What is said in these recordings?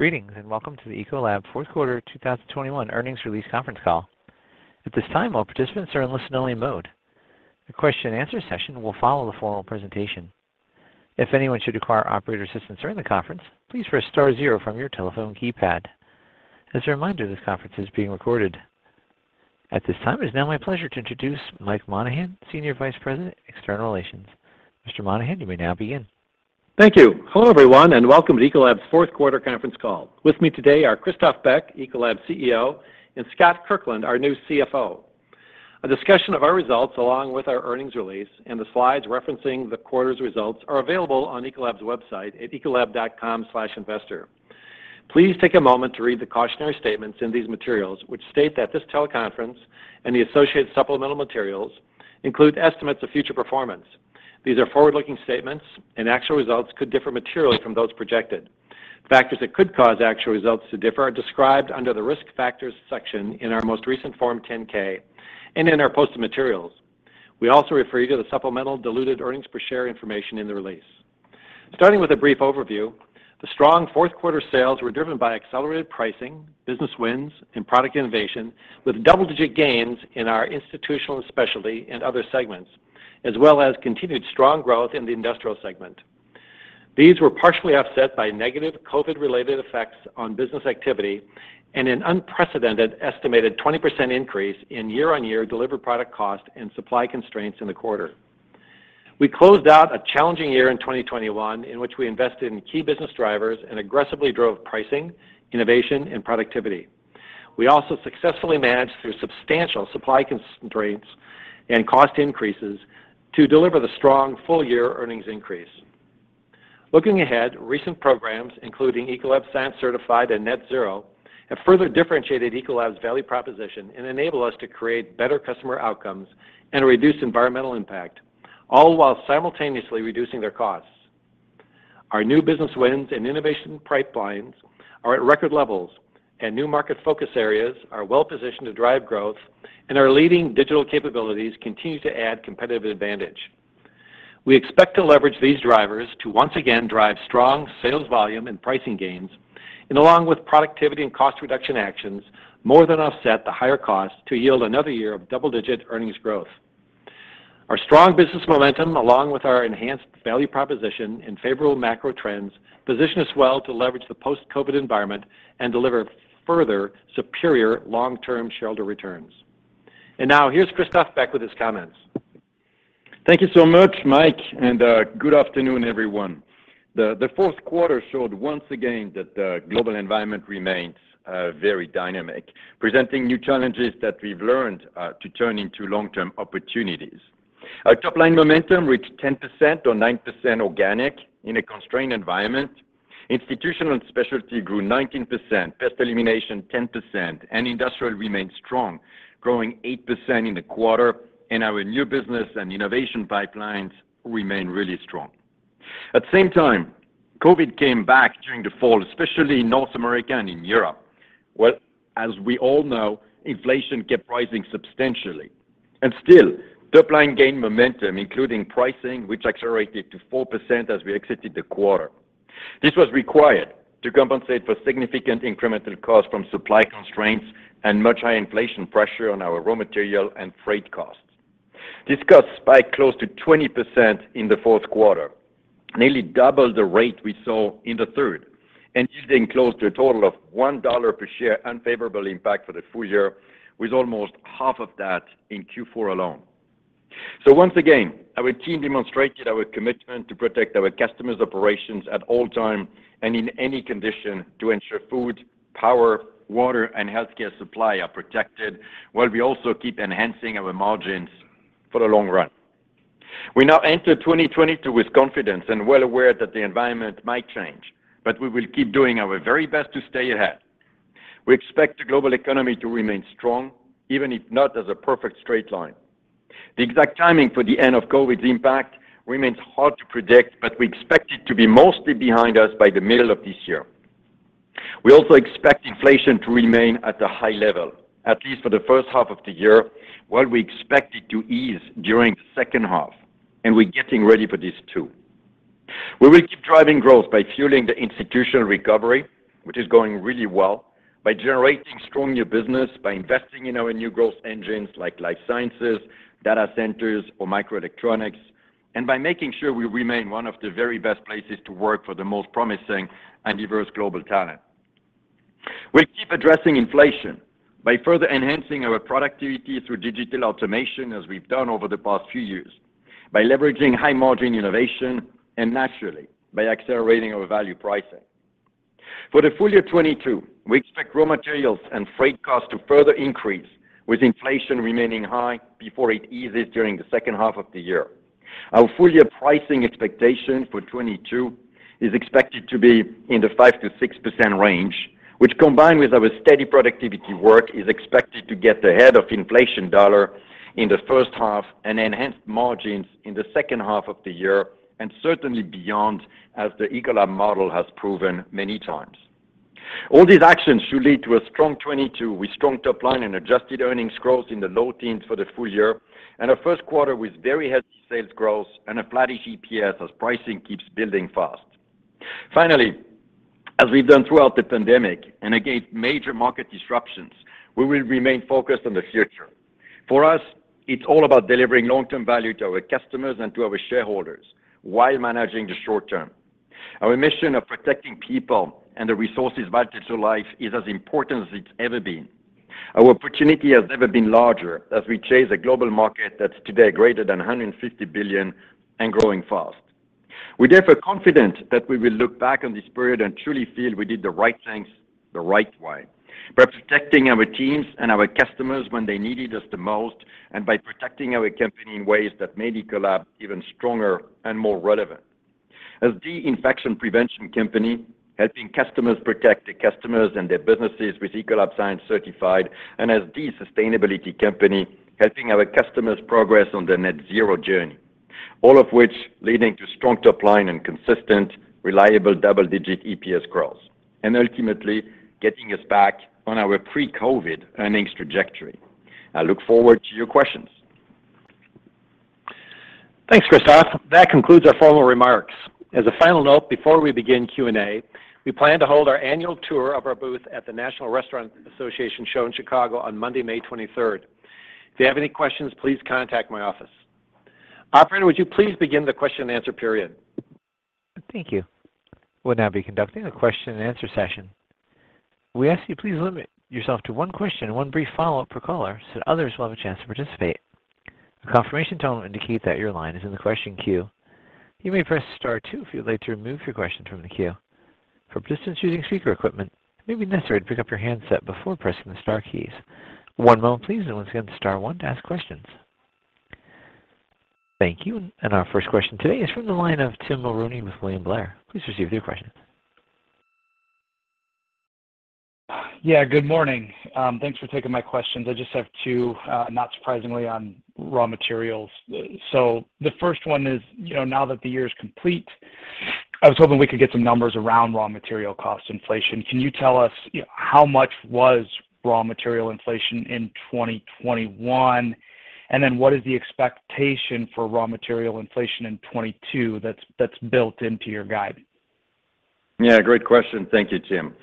Greetings, and welcome to the Ecolab Fourth Quarter 2021 Earnings Release Conference Call. At this time, all participants are in listen-only mode. A question-and-answer session will follow the formal presentation. If anyone should require operator assistance during the conference, please press star zero from your telephone keypad. As a reminder, this conference is being recorded. At this time, it is now my pleasure to introduce Mike Monahan, Senior Vice President, External Relations. Mr. Monahan, you may now begin. Thank you. Hello, everyone, and welcome to Ecolab's fourth quarter conference call. With me today are Christophe Beck, Ecolab's CEO, and Scott Kirkland, our new CFO. A discussion of our results, along with our earnings release and the slides referencing the quarter's results, are available on Ecolab's website at ecolab.com/investor. Please take a moment to read the cautionary statements in these materials, which state that this teleconference and the associated supplemental materials include estimates of future performance. These are forward-looking statements, and actual results could differ materially from those projected. Factors that could cause actual results to differ are described under the Risk Factors section in our most recent Form 10-K and in our posted materials. We also refer you to the supplemental diluted earnings per share information in the release. Starting with a brief overview, the strong fourth quarter sales were driven by accelerated pricing, business wins, and product innovation, with double-digit gains in our Institutional Specialty and Other segments, as well as continued strong growth in the Industrial segment. These were partially offset by negative COVID-related effects on business activity and an unprecedented estimated 20% increase in year-over-year delivered product cost and supply constraints in the quarter. We closed out a challenging year in 2021, in which we invested in key business drivers and aggressively drove pricing, innovation, and productivity. We also successfully managed through substantial supply constraints and cost increases to deliver the strong full-year earnings increase. Looking ahead, recent programs, including Ecolab Science Certified and Net-Zero, have further differentiated Ecolab's value proposition and enable us to create better customer outcomes and reduce environmental impact, all while simultaneously reducing their costs. Our new business wins and innovation pipelines are at record levels, and new market focus areas are well-positioned to drive growth, and our leading digital capabilities continue to add competitive advantage. We expect to leverage these drivers to once again drive strong sales volume and pricing gains, and along with productivity and cost reduction actions, more than offset the higher cost to yield another year of double-digit earnings growth. Our strong business momentum, along with our enhanced value proposition and favorable macro trends, position us well to leverage the post-COVID environment and deliver further superior long-term shareholder returns. Now here's Christophe Beck with his comments. Thank you so much, Mike, and good afternoon, everyone. The fourth quarter showed once again that the global environment remains very dynamic, presenting new challenges that we've learned to turn into long-term opportunities. Our top-line momentum reached 10% or 9% organic in a constrained environment. Institutional and specialty grew 19%, Pest Elimination 10%, and industrial remained strong, growing 8% in the quarter, and our new business and innovation pipelines remain really strong. At the same time, COVID came back during the fall, especially in North America and in Europe. Well, as we all know, inflation kept rising substantially. Still, top line gained momentum, including pricing, which accelerated to 4% as we exited the quarter. This was required to compensate for significant incremental costs from supply constraints and much higher inflation pressure on our raw material and freight costs. These costs spiked close to 20% in the fourth quarter, nearly double the rate we saw in the third, and this being close to a total of $1 per share unfavorable impact for the full year, with almost half of that in Q4 alone. Once again, our team demonstrated our commitment to protect our customers' operations at all time and in any condition to ensure food, power, water, and healthcare supply are protected while we also keep enhancing our margins for the long run. We now enter 2022 with confidence and well aware that the environment might change, but we will keep doing our very best to stay ahead. We expect the global economy to remain strong, even if not as a perfect straight line. The exact timing for the end of COVID's impact remains hard to predict, but we expect it to be mostly behind us by the middle of this year. We also expect inflation to remain at a high level, at least for the first half of the year, while we expect it to ease during the second half, and we're getting ready for this too. We will keep driving growth by fueling the Institutional recovery, which is going really well, by generating strong new business, by investing in our new growth engines like Life Sciences, data centers, or microelectronics, and by making sure we remain one of the very best places to work for the most promising and diverse global talent. We'll keep addressing inflation by further enhancing our productivity through digital automation as we've done over the past few years, by leveraging high-margin innovation, and naturally, by accelerating our value pricing. For the full year 2022, we expect raw materials and freight costs to further increase, with inflation remaining high before it eases during the second half of the year. Our full-year pricing expectation for 2022 is expected to be in the 5%-6% range, which combined with our steady productivity work, is expected to get ahead of inflation dollar for dollar in the first half and enhance margins in the second half of the year and certainly beyond, as the Ecolab model has proven many times. All these actions should lead to a strong 2022 with strong top line and adjusted earnings growth in the low teens% for the full year and a first quarter with very healthy sales growth and a flattish EPS as pricing keeps building fast. Finally, as we've done throughout the pandemic and against major market disruptions, we will remain focused on the future. For us, it's all about delivering long-term value to our customers and to our shareholders while managing the short term. Our mission of protecting people and the resources vital to life is as important as it's ever been. Our opportunity has never been larger as we chase a global market that's today greater than $150 billion and growing fast. We're therefore confident that we will look back on this period and truly feel we did the right things the right way. By protecting our teams and our customers when they needed us the most, and by protecting our company in ways that made Ecolab even stronger and more relevant. As the infection prevention company, helping customers protect their customers and their businesses with Ecolab Science Certified, and as the sustainability company, helping our customers progress on their Net-Zero journey, all of which leading to strong top line and consistent, reliable double-digit EPS growth, and ultimately getting us back on our pre-COVID earnings trajectory. I look forward to your questions. Thanks, Christophe. That concludes our formal remarks. As a final note, before we begin Q&A, we plan to hold our annual tour of our booth at the National Restaurant Association show in Chicago on Monday, May twenty-third. If you have any questions, please contact my office. Operator, would you please begin the question and answer period? Thank you. We'll now be conducting a question and answer session. We ask you please limit yourself to one question and one brief follow-up per caller so others will have a chance to participate. A confirmation tone will indicate that your line is in the question queue. You may press star two if you'd like to remove your question from the queue. For participants using speaker equipment, it may be necessary to pick up your handset before pressing the star keys. One moment, please, and once again, star one to ask questions. Thank you. Our first question today is from the line of Tim Mulrooney with William Blair. Please proceed with your question. Yeah, good morning. Thanks for taking my questions. I just have two, not surprisingly, on raw materials. The first one is, you know, now that the year is complete, I was hoping we could get some numbers around raw material cost inflation. Can you tell us how much was raw material inflation in 2021? And then what is the expectation for raw material inflation in 2022 that's built into your guidance? Yeah, great question. Thank you, Tim.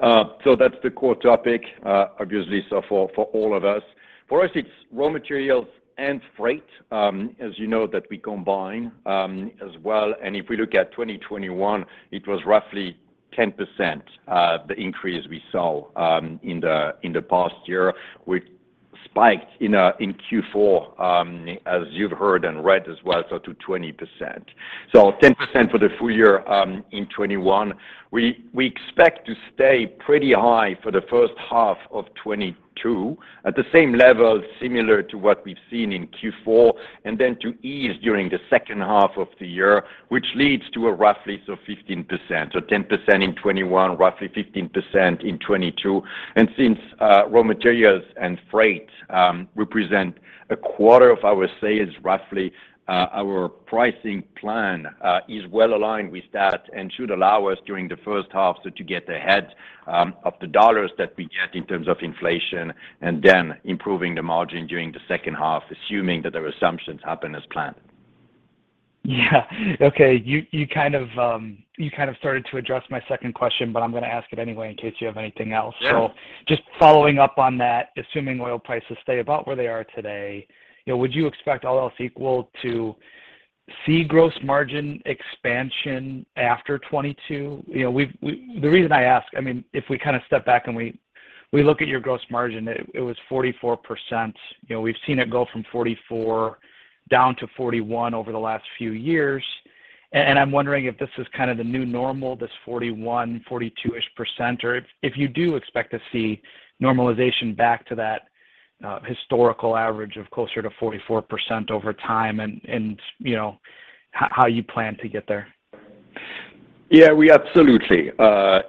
So that's the core topic, obviously, so for all of us. For us, it's raw materials and freight, as you know, that we combine, as well. If we look at 2021, it was roughly 10%, the increase we saw, in the past year, which spiked in Q4, as you've heard and read as well, so to 20%. 10% for the full year, in 2021. We expect to stay pretty high for the first half of 2022 at the same level, similar to what we've seen in Q4, and then to ease during the second half of the year, which leads to roughly 15%. 10% in 2021, roughly 15% in 2022. Since raw materials and freight represent a quarter of our sales, roughly, our pricing plan is well aligned with that and should allow us during the first half, so to get ahead of the dollars that we get in terms of inflation and then improving the margin during the second half, assuming that the assumptions happen as planned. Yeah. Okay. You kind of started to address my second question, but I'm gonna ask it anyway in case you have anything else. Yeah. Just following up on that, assuming oil prices stay about where they are today, you know, would you expect all else equal to see gross margin expansion after 2022? You know, the reason I ask, I mean, if we kinda step back and we look at your gross margin, it was 44%. You know, we've seen it go from 44% down to 41% over the last few years. I'm wondering if this is kind of the new normal, this 41, 42%-ish %, or if you do expect to see normalization back to that historical average of closer to 44% over time and you know, how you plan to get there? Yeah, we absolutely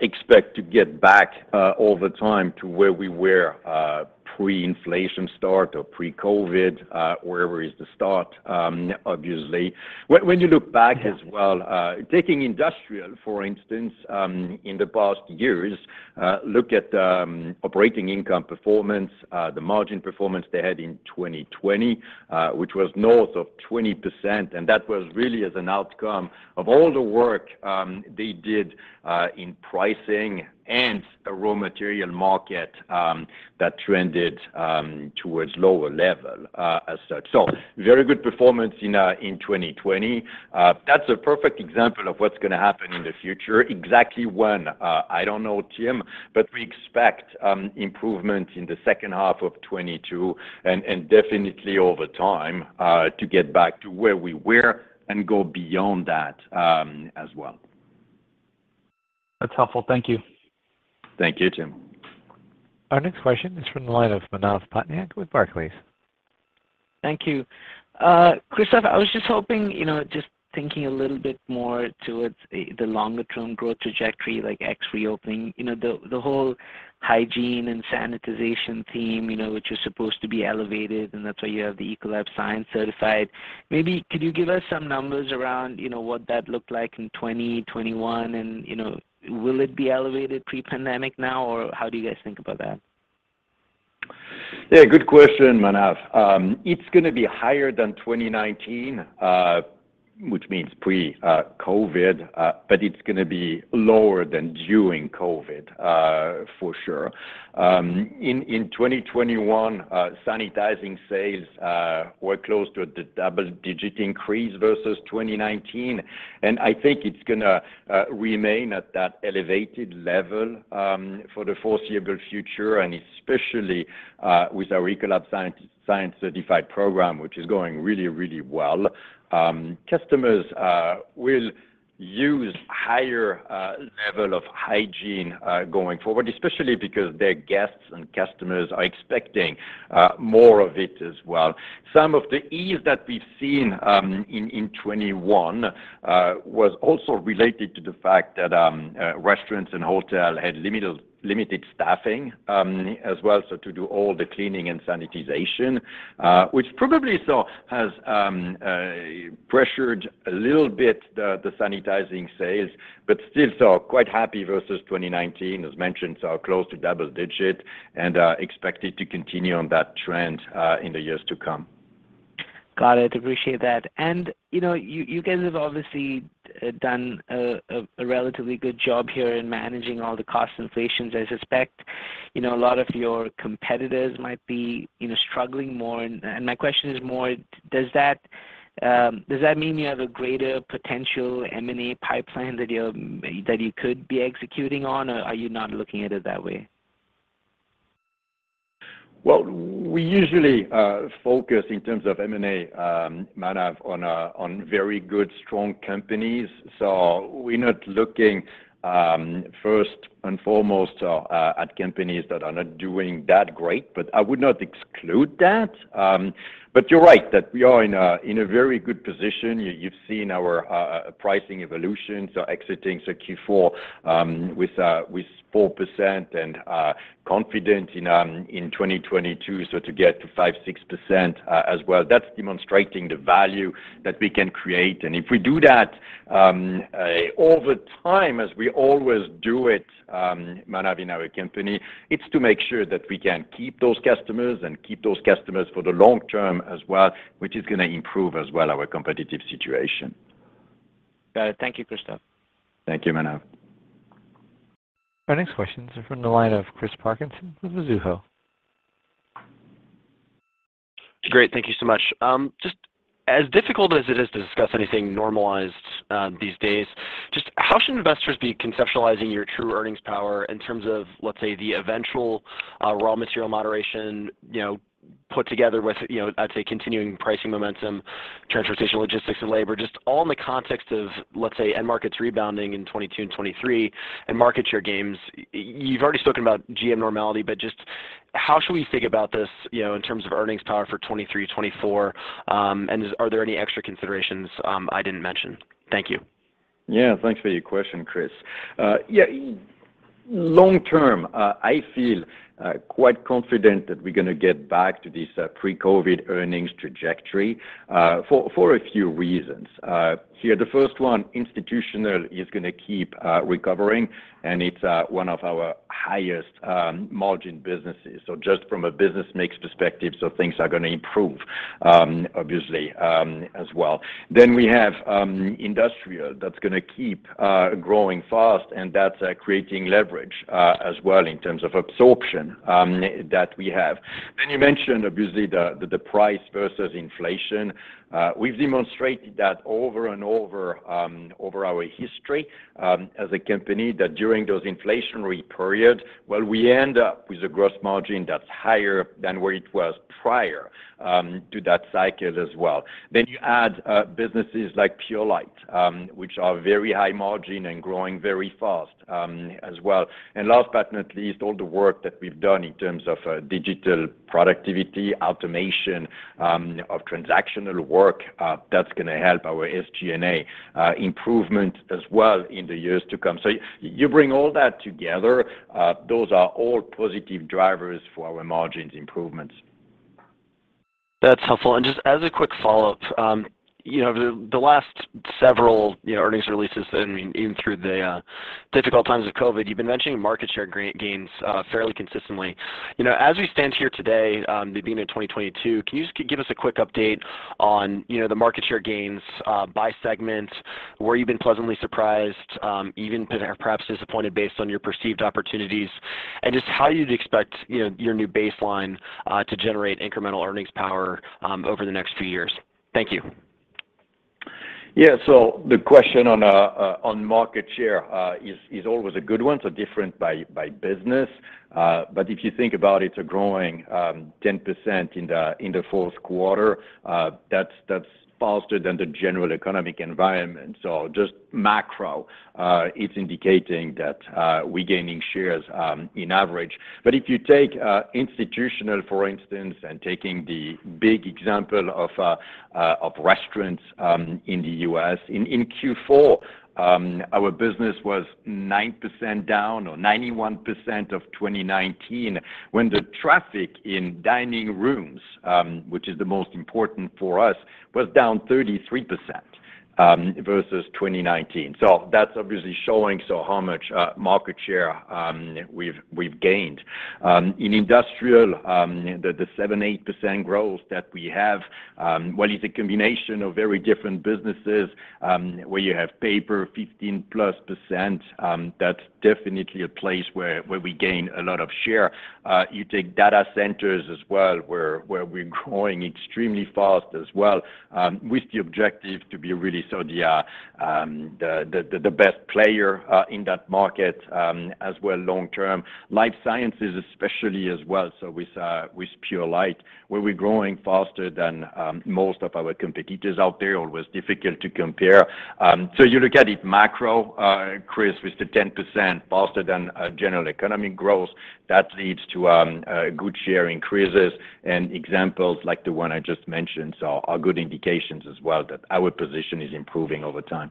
expect to get back, over time, to where we were pre-inflation start or pre-COVID, wherever is the start, obviously. When you look back- Yeah As well, taking industrial, for instance, in the past years, look at the operating income performance, the margin performance they had in 2020, which was north of 20%, and that was really as an outcome of all the work they did in pricing and a raw material market that trended towards lower level, as such. Very good performance in 2020. That's a perfect example of what's gonna happen in the future. Exactly when, I don't know, Tim, but we expect improvement in the second half of 2022 and definitely over time to get back to where we were and go beyond that, as well. That's helpful. Thank you. Thank you, Tim. Our next question is from the line of Manav Patnaik with Barclays. Thank you. Christophe, I was just hoping, you know, just thinking a little bit more towards the longer term growth trajectory, like ex reopening, you know, the whole hygiene and sanitization theme, you know, which is supposed to be elevated, and that's why you have the Ecolab Science Certified. Maybe could you give us some numbers around, you know, what that looked like in 2021 and, you know, will it be elevated pre-pandemic now, or how do you guys think about that? Yeah, good question, Manav. It's gonna be higher than 2019, which means pre-COVID, but it's gonna be lower than during COVID, for sure. In 2021, sanitizing sales were close to a double-digit increase versus 2019, and I think it's gonna remain at that elevated level for the foreseeable future. Especially with our Ecolab Science Certified program, which is going really, really well, customers will use higher level of hygiene going forward, especially because their guests and customers are expecting more of it as well. Some of the ease that we've seen in 2021 was also related to the fact that restaurants and hotels had limited staffing as well, so to do all the cleaning and sanitization, which has probably pressured a little bit the sanitizing sales but still saw quite hefty versus 2019 as mentioned, so close to double-digit and expected to continue on that trend in the years to come. Got it. Appreciate that. You know, you guys have obviously done a relatively good job here in managing all the cost inflations. I suspect, you know, a lot of your competitors might be, you know, struggling more. My question is more, does that mean you have a greater potential M&A pipeline that you could be executing on, or are you not looking at it that way? Well, we usually focus in terms of M&A, Manav, on very good strong companies. We're not looking first and foremost at companies that are not doing that great. I would not exclude that. You're right that we are in a very good position. You've seen our pricing evolution, so exiting the Q4 with 4% and confident in 2022, so to get to 5%-6% as well. That's demonstrating the value that we can create. If we do that over time as we always do it, Manav, in our company, it's to make sure that we can keep those customers for the long term as well, which is gonna improve our competitive situation. Got it. Thank you, Christophe. Thank you, Manav. Our next questions are from the line of Chris Parkinson with Mizuho. Great. Thank you so much. Just as difficult as it is to discuss anything normalized these days, just how should investors be conceptualizing your true earnings power in terms of, let's say, the eventual raw material moderation, you know, put together with, you know, I'd say continuing pricing momentum, transportation, logistics and labor, just all in the context of, let's say, end markets rebounding in 2022 and 2023 and market share gains. You've already spoken about GM normality, but just how should we think about this, you know, in terms of earnings power for 2023, 2024, and are there any extra considerations I didn't mention? Thank you. Yeah, thanks for your question, Chris. Yeah, long term, I feel quite confident that we're gonna get back to this pre-COVID earnings trajectory, for a few reasons. The first one, Institutional is gonna keep recovering, and it's one of our highest margin businesses. Just from a business mix perspective, things are gonna improve, obviously, as well. We have Industrial that's gonna keep growing fast, and that's creating leverage as well in terms of absorption that we have. You mentioned obviously the price versus inflation. We've demonstrated that over and over over our history as a company that during those inflationary periods, well, we end up with a gross margin that's higher than where it was prior to that cycle as well. You add businesses like Purolite, which are very high margin and growing very fast, as well. Last but not least, all the work that we've done in terms of digital productivity, automation of transactional work, that's gonna help our SG&A improvement as well in the years to come. You bring all that together, those are all positive drivers for our margins improvements. That's helpful. Just as a quick follow-up, you know, the last several, you know, earnings releases, I mean, even through the difficult times of COVID, you've been mentioning market share gains fairly consistently. You know, as we stand here today, the beginning of 2022, can you just give us a quick update on, you know, the market share gains by segment, where you've been pleasantly surprised, even perhaps disappointed based on your perceived opportunities, and just how you'd expect, you know, your new baseline to generate incremental earnings power over the next few years? Thank you. Yeah. The question on market share is always a good one, so different by business. If you think about it growing 10% in the fourth quarter, that's faster than the general economic environment. Just macro, it's indicating that we're gaining shares on average. If you take Institutional, for instance, and taking the big example of restaurants in the U.S., in Q4, our business was 9% down or 91% of 2019 when the traffic in dining rooms, which is the most important for us, was down 33% versus 2019. That's obviously showing how much market share we've gained. In Industrial, the 7%-8% growth that we have, well, it's a combination of very different businesses, where you have paper 15%+, that's definitely a place where we gain a lot of share. You take data centers as well, where we're growing extremely fast as well, with the objective to be really sort of the best player in that market as well, long term. Life Sciences especially as well, so with Purolite, where we're growing faster than most of our competitors out there, always difficult to compare. You look at it macro, Chris, with the 10% faster than general economic growth, that leads to good share increases and examples like the one I just mentioned. There are good indications as well that our position is improving over time.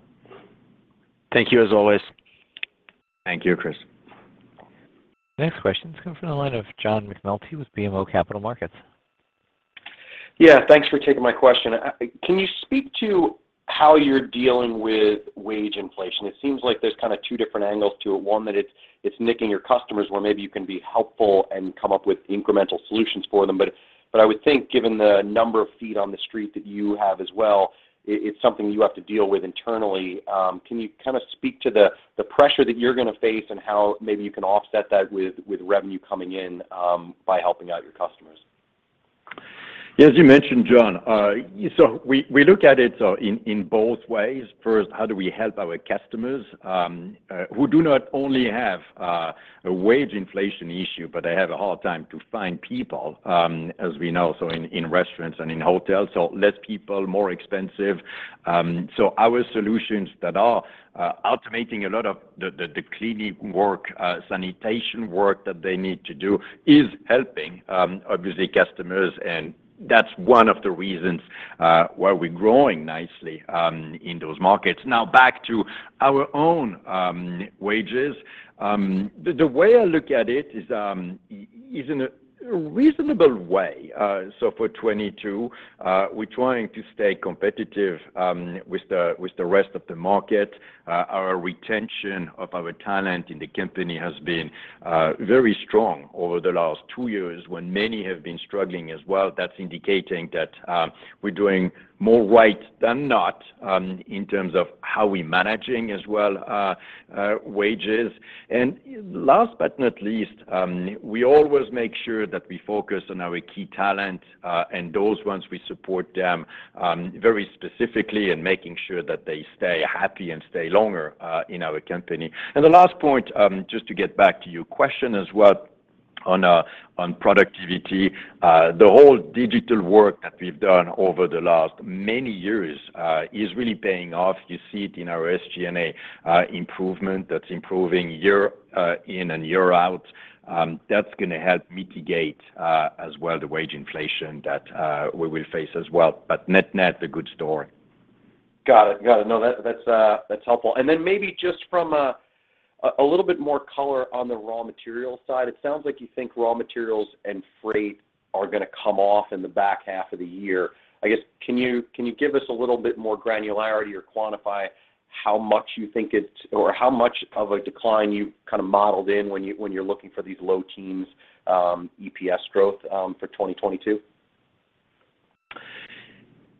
Thank you as always. Thank you, Chris. Next question is coming from the line of John McNulty with BMO Capital Markets. Yeah, thanks for taking my question. Can you speak to how you're dealing with wage inflation? It seems like there's kind of two different angles to it. One, that it's nicking your customers where maybe you can be helpful and come up with incremental solutions for them. But I would think given the number of feet on the street that you have as well, it's something you have to deal with internally. Can you kind of speak to the pressure that you're gonna face and how maybe you can offset that with revenue coming in by helping out your customers? As you mentioned, John, we look at it in both ways. First, how do we help our customers who do not only have a wage inflation issue, but they have a hard time to find people as we know in restaurants and in hotels, less people, more expensive. Our solutions that are automating a lot of the cleaning work, sanitation work that they need to do is helping obviously customers, and that's one of the reasons why we're growing nicely in those markets. Now back to our own wages. The way I look at it is in a reasonable way. For 2022, we're trying to stay competitive with the rest of the market. Our retention of our talent in the company has been very strong over the last two years when many have been struggling as well. That's indicating that we're doing more right than not in terms of how we're managing as well wages. Last but not least, we always make sure that we focus on our key talent and those ones we support them very specifically in making sure that they stay happy and stay longer in our company. The last point, just to get back to your question as well on productivity, the whole digital work that we've done over the last many years is really paying off. You see it in our SG&A improvement that's improving year in and year out. That's gonna help mitigate, as well, the wage inflation that we will face as well. Net-net, a good story. Got it. No, that's helpful. Maybe just from a little bit more color on the raw material side. It sounds like you think raw materials and freight are gonna come off in the back half of the year. I guess, can you give us a little bit more granularity or quantify how much you think it's or how much of a decline you kind of modeled in when you're looking for these low teens EPS growth for 2022?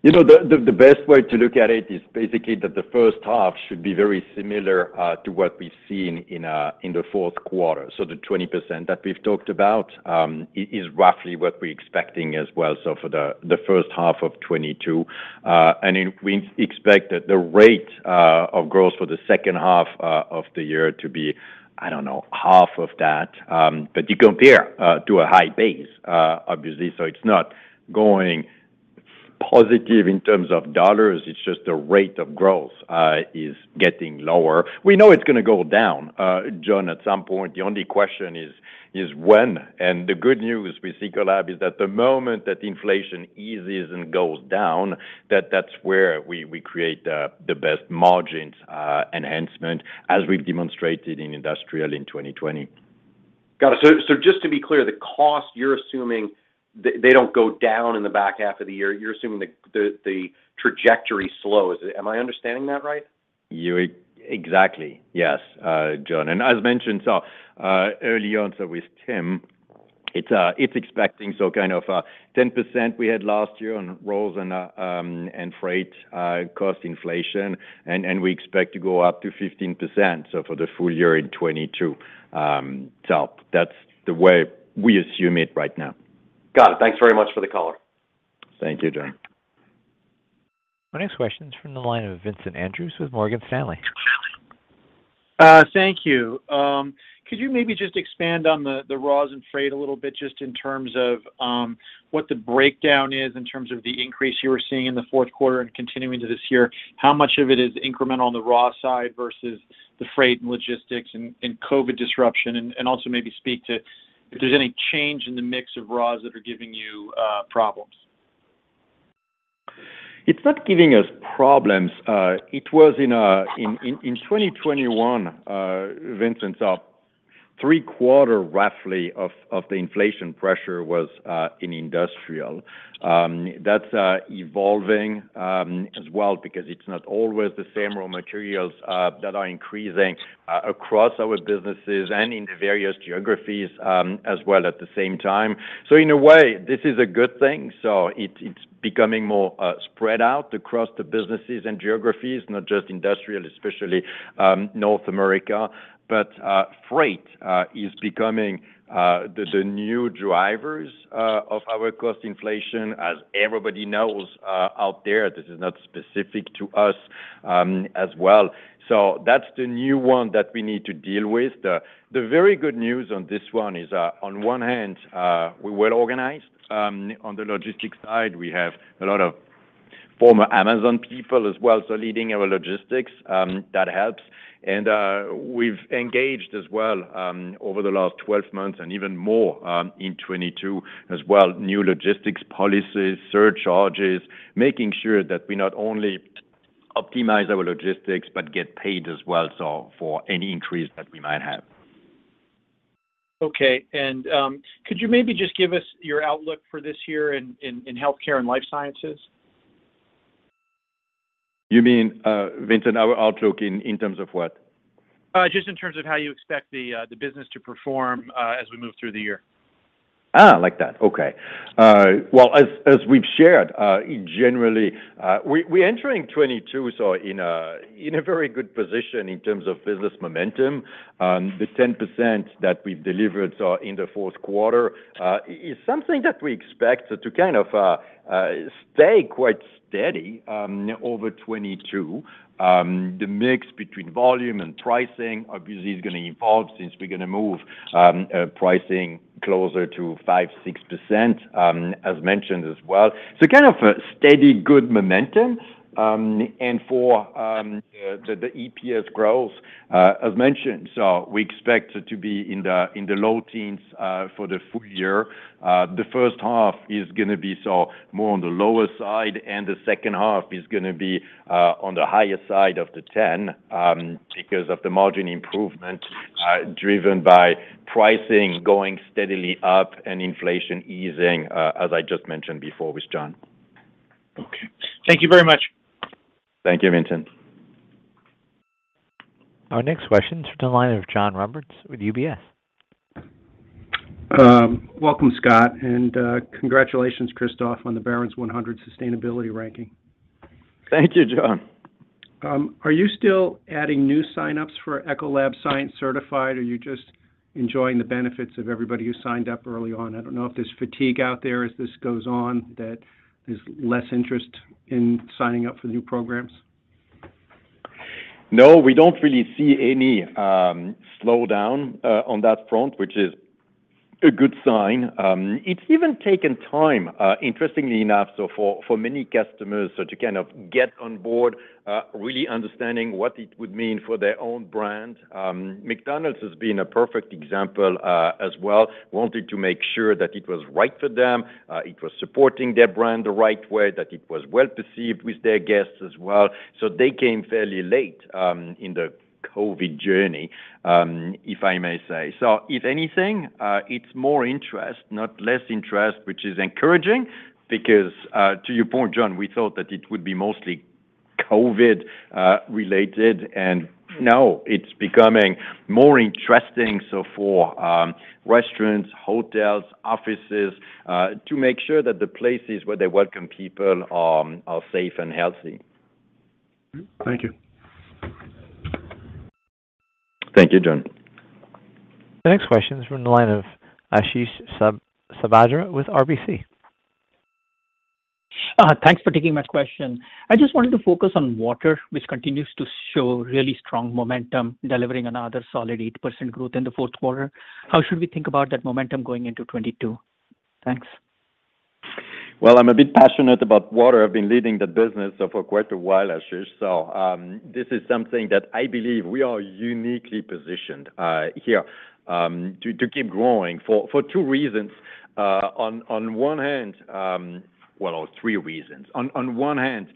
You know, the best way to look at it is basically that the first half should be very similar to what we've seen in the fourth quarter. The 20% that we've talked about is roughly what we're expecting as well. For the first half of 2022 and we expect that the rate of growth for the second half of the year to be, I don't know, half of that. You compare to a high base obviously. It's not going positive in terms of dollars, it's just the rate of growth is getting lower. We know it's gonna go down, John, at some point. The only question is when. The good news with Ecolab is that the moment that inflation eases and goes down, that's where we create the best margins enhancement as we've demonstrated in industrial in 2020. Got it. Just to be clear, the cost you're assuming they don't go down in the back half of the year. You're assuming the trajectory slows. Am I understanding that right? Exactly, yes, John. As mentioned earlier on with Tim, it's expecting kind of 10% we had last year on raw materials and freight cost inflation, and we expect to go up to 15% for the full year in 2022. That's the way we assume it right now. Got it. Thanks very much for the color. Thank you, John. Our next question is from the line of Vincent Andrews with Morgan Stanley. Thank you. Could you maybe just expand on the raws and freight a little bit just in terms of what the breakdown is in terms of the increase you were seeing in the fourth quarter and continuing to this year? How much of it is incremental on the raw side versus the freight and logistics and COVID disruption? Also maybe speak to if there's any change in the mix of raws that are giving you problems. It's not giving us problems. It was in 2021, Vincent. Three-quarters roughly of the inflation pressure was in Industrial. That's evolving as well because it's not always the same raw materials that are increasing across our businesses and in the various geographies as well at the same time. In a way, this is a good thing. It's becoming more spread out across the businesses and geographies, not just Industrial, especially North America. Freight is becoming the new drivers of our cost inflation as everybody knows out there. This is not specific to us as well. That's the new one that we need to deal with. The very good news on this one is, on one hand, we're well-organized on the logistics side. We have a lot of former Amazon people as well, so leading our logistics, that helps. We've engaged as well over the last 12 months and even more in 2022 as well, new logistics policies, surcharges, making sure that we not only optimize our logistics but get paid as well, so for any increase that we might have. Okay. Could you maybe just give us your outlook for this year in Healthcare and Life Sciences? You mean, Vincent, our outlook in terms of what? Just in terms of how you expect the business to perform as we move through the year. Ahh. Like that. Okay. As we've shared, generally, we're entering 2022, so in a very good position in terms of business momentum. The 10% that we've delivered in the fourth quarter is something that we expect to kind of stay quite steady over 2022. The mix between volume and pricing obviously is gonna evolve since we're gonna move pricing closer to 5%-6%, as mentioned as well. Kind of a steady, good momentum, and for the EPS growth, as mentioned. We expect to be in the low teens for the full year. The first half is gonna be so more on the lower side, and the second half is gonna be on the higher side of the 10, because of the margin improvement driven by pricing going steadily up and inflation easing, as I just mentioned before with John. Okay. Thank you very much. Thank you, Vincent. Our next question is from the line of John Roberts with UBS. Welcome, Scott, and congratulations, Christophe, on the Barron's 100 sustainability ranking. Thank you, John. Are you still adding new signups for Ecolab Science Certified, or you just enjoying the benefits of everybody who signed up early on? I don't know if there's fatigue out there as this goes on that there's less interest in signing up for the new programs. No, we don't really see any slowdown on that front, which is a good sign. It's even taken time, interestingly enough, so for many customers to kind of get on board really understanding what it would mean for their own brand. McDonald's has been a perfect example, as well, wanting to make sure that it was right for them, it was supporting their brand the right way, that it was well perceived with their guests as well. They came fairly late in the COVID journey, if I may say. If anything, it's more interest, not less interest, which is encouraging because to your point, John, we thought that it would be mostly COVID related. No, it's becoming more interesting, so for restaurants, hotels, offices, to make sure that the places where they welcome people are safe and healthy. Thank you. Thank you, John. The next question is from the line of Ashish Sabadra with RBC. Thanks for taking my question. I just wanted to focus on water, which continues to show really strong momentum, delivering another solid 8% growth in the fourth quarter. How should we think about that momentum going into 2022? Thanks. Well, I'm a bit passionate about water. I've been leading the business for quite a while, Ashish. This is something that I believe we are uniquely positioned here to keep growing for two reasons. On one hand, well, or three reasons. On one hand,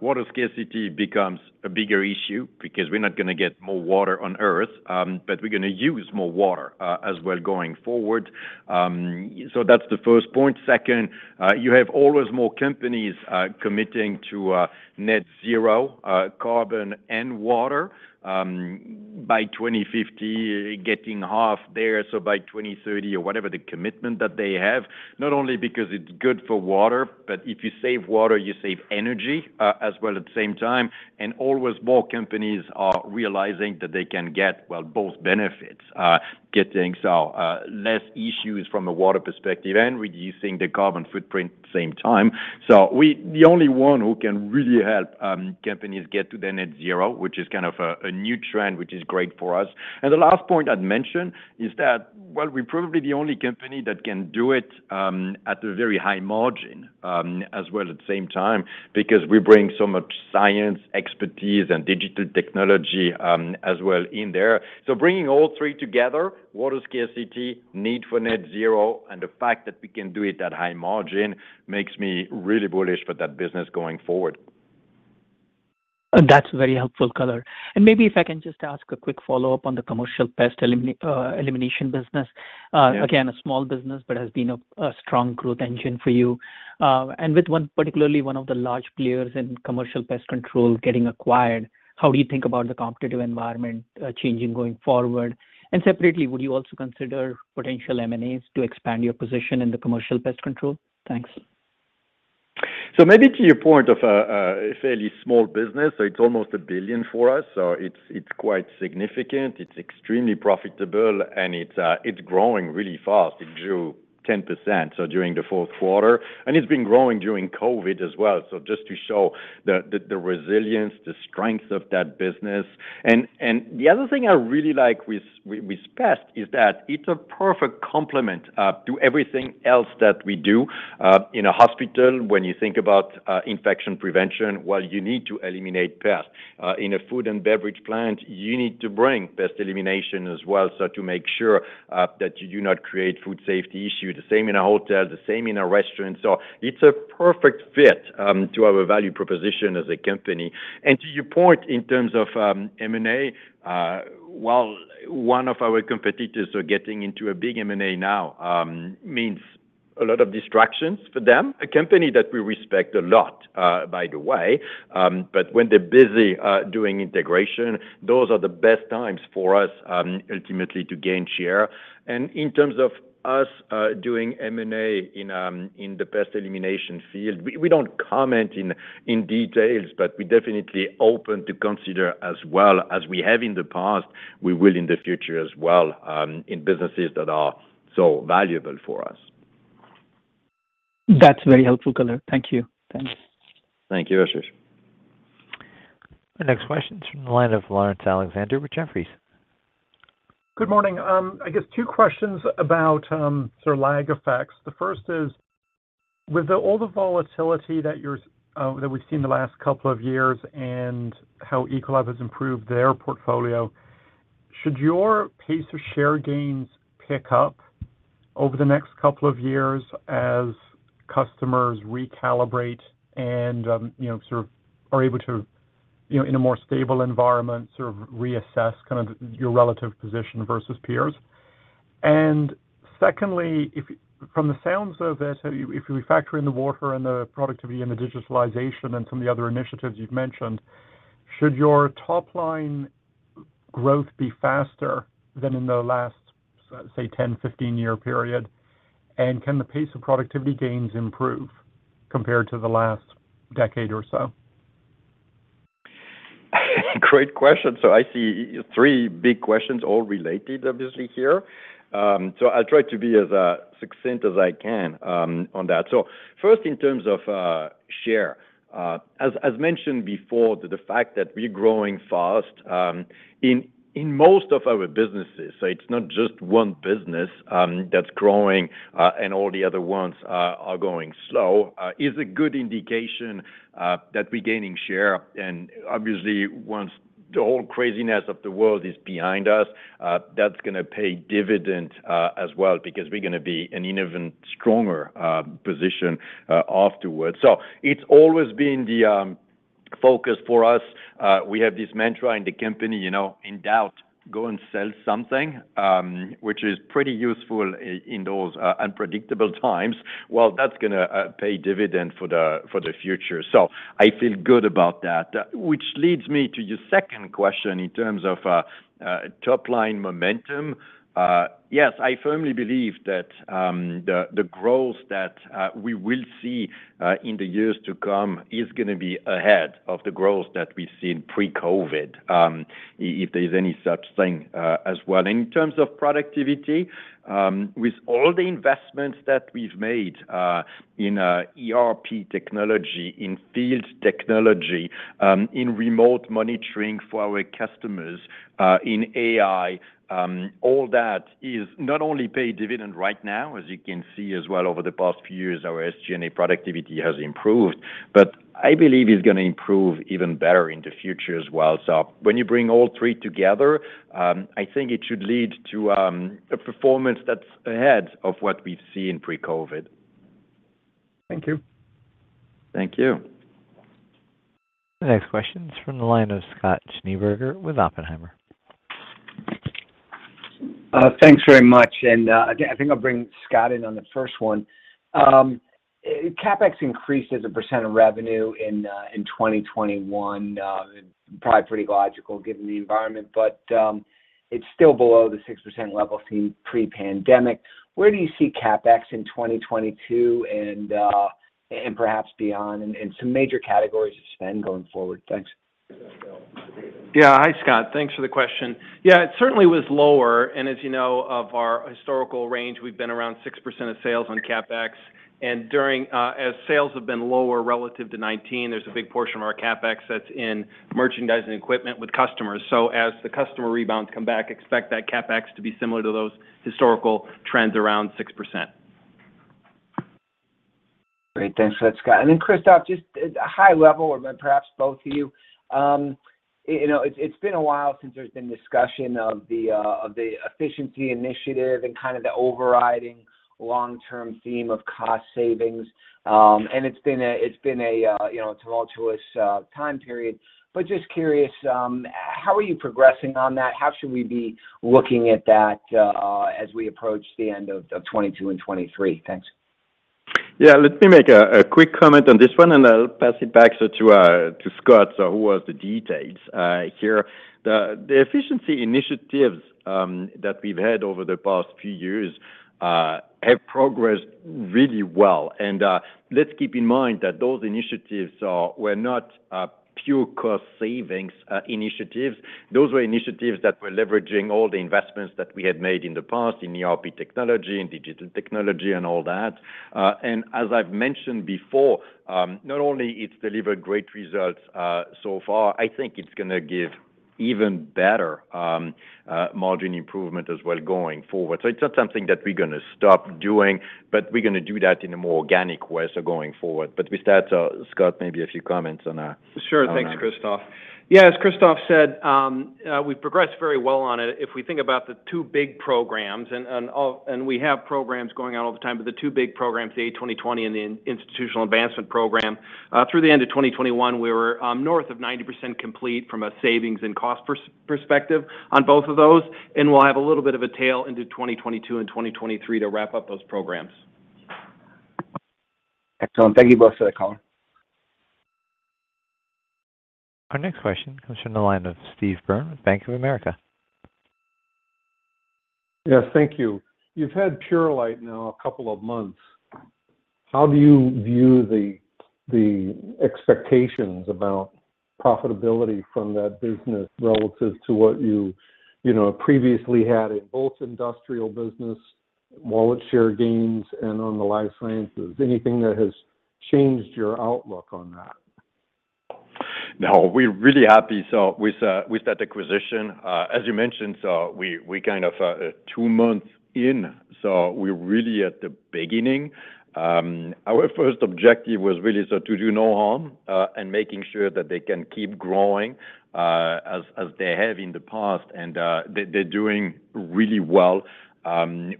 water scarcity becomes a bigger issue because we're not gonna get more water on Earth, but we're gonna use more water as well going forward. That's the first point. Second, you have always more companies committing to Net-Zero carbon and water by 2050, getting half there, so by 2030 or whatever the commitment that they have, not only because it's good for water, but if you save water, you save energy as well at the same time. Always more companies are realizing that they can get, well, both benefits, less issues from a water perspective and reducing the carbon footprint the same time. The only one who can really help companies get to the Net-Zero, which is kind of a new trend, which is great for us. The last point I'd mention is that, well, we're probably the only company that can do it at a very high margin as well at the same time, because we bring so much science, expertise, and digital technology as well in there. Bringing all three together, water scarcity, need for Net-Zero, and the fact that we can do it at high margin makes me really bullish for that business going forward. That's very helpful, color. Maybe if I can just ask a quick follow-up on the commercial Pest Elimination business. Yeah. Again, a small business, but has been a strong growth engine for you. With one, particularly one of the large players in commercial pest control getting acquired, how do you think about the competitive environment changing going forward? Separately, would you also consider potential M&As to expand your position in the commercial pest control? Thanks. Maybe to your point of a fairly small business, it's almost $1 billion for us, so it's quite significant. It's extremely profitable, and it's growing really fast. It grew 10% during the fourth quarter, and it's been growing during COVID as well. Just to show the resilience, the strength of that business. The other thing I really like with Pest is that it's a perfect complement to everything else that we do. In a hospital, when you think about infection prevention, well, you need to eliminate pests. In a food and beverage plant, you need to bring Pest Elimination as well, so to make sure that you do not create food safety issue. The same in a hotel, the same in a restaurant. It's a perfect fit to our value proposition as a company. To your point in terms of M&A, while one of our competitors are getting into a big M&A now, means a lot of distractions for them, a company that we respect a lot, by the way. When they're busy doing integration, those are the best times for us ultimately to gain share. In terms of us doing M&A in the Pest Elimination field, we don't comment in details, but we're definitely open to consider as well as we have in the past, we will in the future as well, in businesses that are so valuable for us. That's very helpful, Christophe Beck. Thank you. Thanks. Thank you, Ashish. The next question is from the line of Laurence Alexander with Jefferies. Good morning. I guess two questions about sort of lag effects. The first is, with all the volatility that we've seen the last couple of years and how Ecolab has improved their portfolio, should your pace of share gains pick up over the next couple of years as customers recalibrate and you know, sort of are able to you know, in a more stable environment, sort of reassess kind of your relative position versus peers? And secondly, from the sounds of it, if we factor in the water and the productivity and the digitalization and some of the other initiatives you've mentioned, should your top line growth be faster than in the last, say, 10- or 15-year period? And can the pace of productivity gains improve compared to the last decade or so? Great question. I see three big questions all related, obviously, here. I'll try to be as succinct as I can on that. First in terms of share, as mentioned before, the fact that we're growing fast in most of our businesses. It's not just one business that's growing and all the other ones are going slow is a good indication that we're gaining share. Obviously, once the whole craziness of the world is behind us, that's gonna pay dividend as well because we're gonna be in an even stronger position afterwards. It's always been the focus for us. We have this mantra in the company, you know, "In doubt, go and sell something," which is pretty useful in those unpredictable times. Well, that's gonna pay dividend for the future. I feel good about that. Which leads me to your second question in terms of top-line momentum. Yes, I firmly believe that the growth that we will see in the years to come is gonna be ahead of the growth that we've seen pre-COVID, if there's any such thing, as well. In terms of productivity, with all the investments that we've made in ERP technology, in field technology, in remote monitoring for our customers, in AI, all that is not only pay dividend right now, as you can see as well over the past few years, our SG&A productivity has improved, but I believe it's gonna improve even better in the future as well. When you bring all three together, I think it should lead to a performance that's ahead of what we've seen pre-COVID. Thank you. Thank you. The next question is from the line of Scott Schneeberger with Oppenheimer. Thanks very much. I think I'll bring Scott in on the first one. CapEx increased as a percent of revenue in 2021, probably pretty logical given the environment, but it's still below the 6% level seen pre-pandemic. Where do you see CapEx in 2022 and perhaps beyond, and some major categories of spend going forward? Thanks. Yeah. Hi, Scott. Thanks for the question. Yeah, it certainly was lower. As you know of our historical range, we've been around 6% of sales on CapEx. During, as sales have been lower relative to 2019, there's a big portion of our CapEx that's in merchandising equipment with customers. As the customer rebounds come back, expect that CapEx to be similar to those historical trends around 6%. Great. Thanks for that, Scott. Christophe, just high level, or perhaps both of you, You know, it's been a while since there's been discussion of the efficiency initiative and kind of the overriding long-term theme of cost savings. It's been, you know, a tumultuous time period. Just curious, how are you progressing on that? How should we be looking at that, as we approach the end of 2022 and 2023? Thanks. Let me make a quick comment on this one, and I'll pass it back to Scott, who has the details here. The efficiency initiatives that we've had over the past few years have progressed really well. Let's keep in mind that those initiatives were not pure cost savings initiatives. Those were initiatives that were leveraging all the investments that we had made in the past in ERP technology, in digital technology, and all that. As I've mentioned before, not only it's delivered great results so far, I think it's gonna give even better margin improvement as well going forward. It's not something that we're gonna stop doing, but we're gonna do that in a more organic way going forward. With that, Scott, maybe a few comments on that. Sure. Thanks, Christophe. Yeah, as Christophe said, we've progressed very well on it. If we think about the two big programs, and we have programs going on all the time, but the two big programs, the APEX 2020 and the Institutional Advancement Program, through the end of 2021, we were north of 90% complete from a savings and cost perspective on both of those, and we'll have a little bit of a tail into 2022 and 2023 to wrap up those programs. Excellent. Thank you both for the color. Our next question comes from the line of Steve Byrne with Bank of America. Yes, thank you. You've had Purolite now a couple of months. How do you view the expectations about profitability from that business relative to what you know previously had in both Industrial business, wallet share gains, and on the Life Sciences? Anything that has changed your outlook on that? No, we're really happy. With that acquisition, as you mentioned, we're kind of two months in, so we're really at the beginning. Our first objective was really to do no harm, and making sure that they can keep growing as they have in the past and they're doing really well.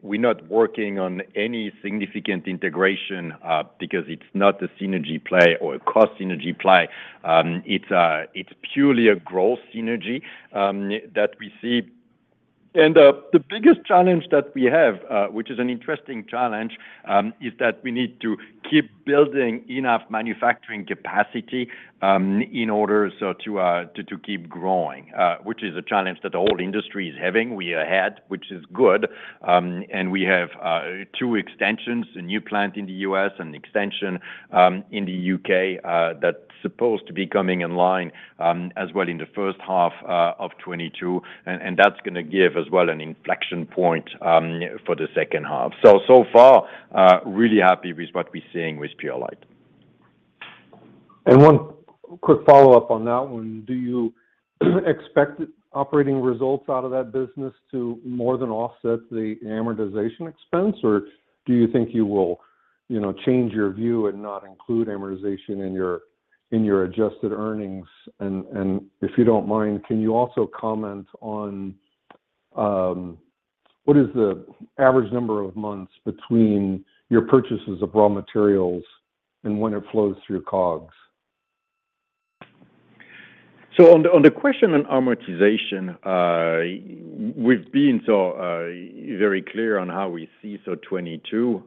We're not working on any significant integration because it's not a synergy play or a cost synergy play. It's purely a growth synergy that we see. The biggest challenge that we have, which is an interesting challenge, is that we need to keep building enough manufacturing capacity in order to keep growing, which is a challenge that the whole industry is having. We are ahead, which is good. We have two expansions, a new plant in the U.S. and expansion in the U.K., that's supposed to be coming online as well in the first half of 2022. That's gonna give as well an inflection point for the second half. So far, really happy with what we're seeing with Purolite. One quick follow-up on that one. Do you expect operating results out of that business to more than offset the amortization expense, or do you think you will, you know, change your view and not include amortization in your adjusted earnings? If you don't mind, can you also comment on what is the average number of months between your purchases of raw materials and when it flows through COGS? On the question on amortization, we've been so very clear on how we see 2022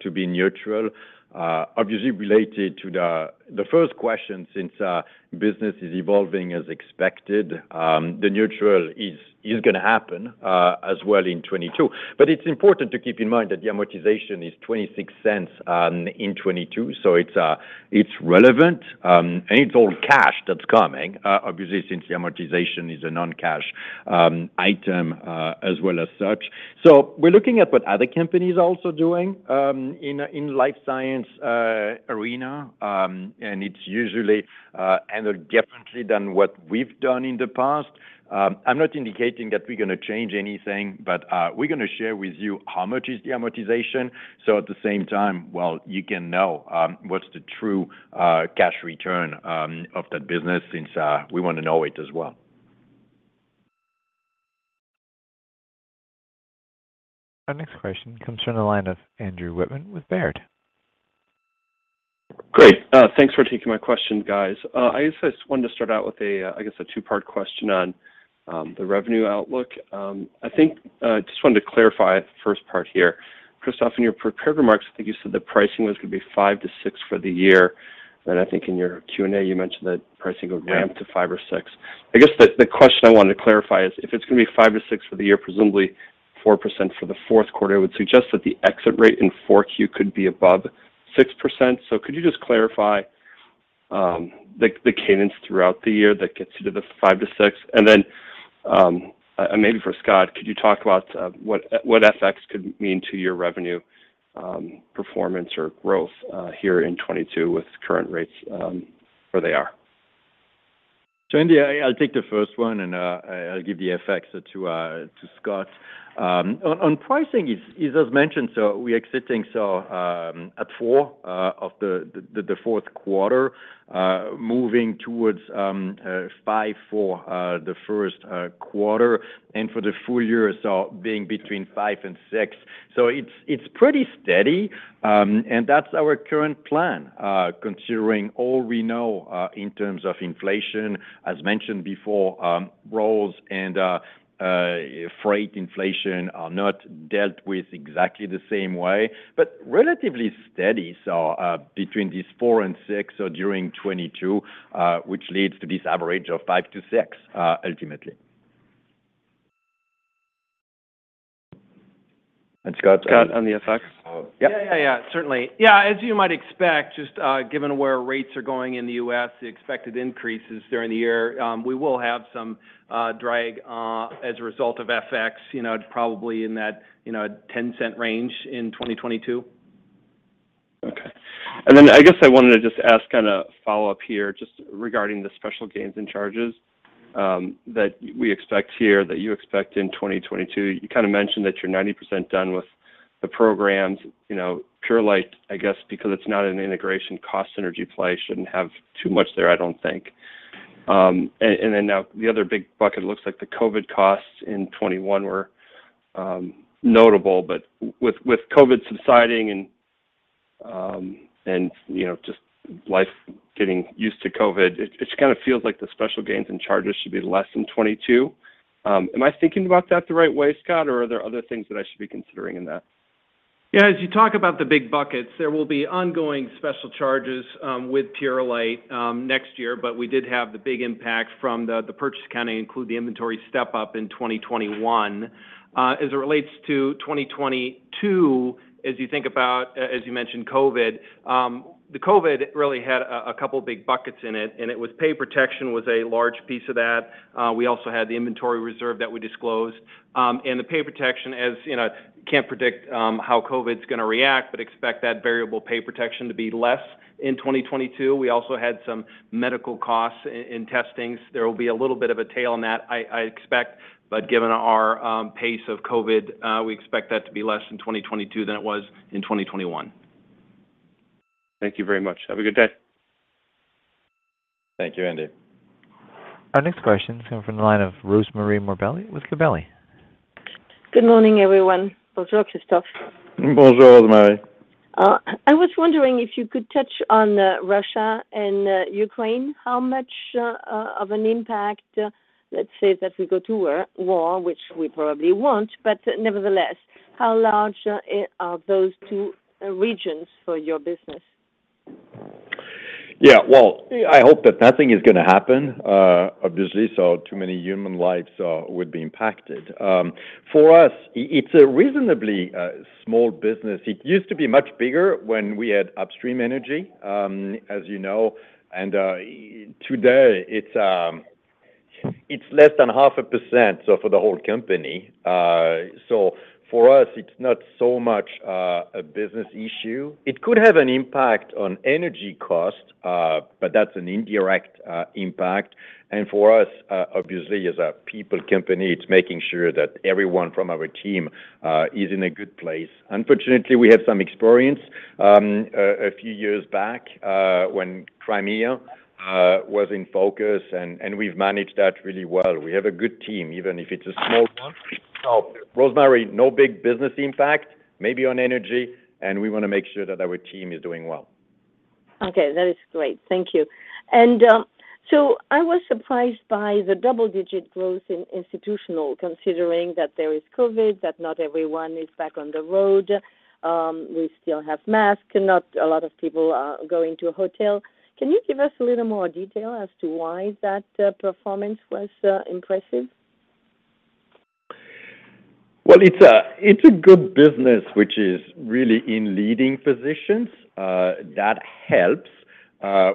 to be neutral, obviously related to the first question since business is evolving as expected. The neutral is gonna happen as well in 2022. It's important to keep in mind that the amortization is $0.26 in 2022, so it's relevant. It's all cash that's coming, obviously since the amortization is a non-cash item, as well as such. We're looking at what other companies are also doing in Life Sciences arena, and it's usually handled differently than what we've done in the past. I'm not indicating that we're gonna change anything, but we're gonna share with you how much is the amortization. At the same time, you know, what's the true cash return of that business, since we wanna know it as well. Our next question comes from the line of Andrew Wittmann with Baird. Great. Thanks for taking my question, guys. I guess I just wanted to start out with a two-part question on the revenue outlook. I think I just wanted to clarify the first part here. Christophe, in your prepared remarks, I think you said the pricing was gonna be 5%-6% for the year, and I think in your Q&A, you mentioned that pricing would ramp to 5% or 6%. I guess the question I wanted to clarify is if it's gonna be 5%-6% for the year, presumably 4% for the fourth quarter, I would suggest that the exit rate in Q4 could be above 6%. Could you just clarify the cadence throughout the year that gets you to the 5%-6%? Maybe for Scott, could you talk about what FX could mean to your revenue performance or growth here in 2022 with current rates where they are? Andrew, I'll take the first one, and I'll give the FX to Scott. On pricing, it's as mentioned, so we're exiting the fourth quarter at 4%, moving towards 5% for the first quarter and for the full year, being between 5% and 6%. It's pretty steady, and that's our current plan, considering all we know in terms of inflation. As mentioned before, raw materials and freight inflation are not dealt with exactly the same way, but relatively steady, so between 4% and 6% during 2022, which leads to this average of 5%-6%, ultimately. Scott on- The FX. Yeah. Yeah. Certainly. Yeah, as you might expect, just given where rates are going in the U.S., the expected increases during the year, we will have some drag as a result of FX, you know, probably in that $0.10 range in 2022. Okay. Then I guess I wanted to just ask on a follow-up here just regarding the special gains and charges that we expect here, that you expect in 2022. You kind of mentioned that you're 90% done with the programs, you know, Purolite, I guess, because it's not an integration cost synergy play, shouldn't have too much there, I don't think. And then now the other big bucket looks like the COVID costs in 2021 were notable, but with COVID subsiding and, you know, just life getting used to COVID, it kind of feels like the special gains and charges should be less in 2022. Am I thinking about that the right way, Scott? Or are there other things that I should be considering in that? Yeah. As you talk about the big buckets, there will be ongoing special charges with Purolite next year, but we did have the big impact from the purchase accounting include the inventory step up in 2021. As it relates to 2022, as you think about, as you mentioned COVID, the COVID really had a couple big buckets in it, and it was pay protection was a large piece of that. We also had the inventory reserve that we disclosed. And the pay protection, as you know, can't predict how COVID's gonna react, but expect that variable pay protection to be less in 2022. We also had some medical costs in testings. There will be a little bit of a tail on that, I expect, but given our pace of COVID, we expect that to be less in 2022 than it was in 2021. Thank you very much. Have a good day. Thank you, Andrew. Our next question is coming from the line of Rosemarie Morbelli with Gabelli. Good morning, everyone. Bonjour, Christophe. Bonjour, Rosemarie. I was wondering if you could touch on Russia and Ukraine. How much of an impact, let's say that we go to war, which we probably won't, but nevertheless, how large are those two regions for your business? Yeah. Well, I hope that nothing is gonna happen, obviously. Too many human lives would be impacted. For us, it's a reasonably small business. It used to be much bigger when we had upstream energy, as you know, and today, it's less than half a percent, so for the whole company. For us, it's not so much a business issue. It could have an impact on energy costs, but that's an indirect impact. For us, obviously, as a people company, it's making sure that everyone from our team is in a good place. Unfortunately, we have some experience a few years back when Crimea was in focus and we've managed that really well. We have a good team, even if it's a small one. Rosemarie, no big business impact, maybe on energy, and we wanna make sure that our team is doing well. Okay. That is great. Thank you. I was surprised by the double-digit growth in Institutional considering that there is COVID, that not everyone is back on the road, we still have masks, not a lot of people are going to a hotel. Can you give us a little more detail as to why that performance was impressive? Well, it's a good business, which is really in leading positions. That helps.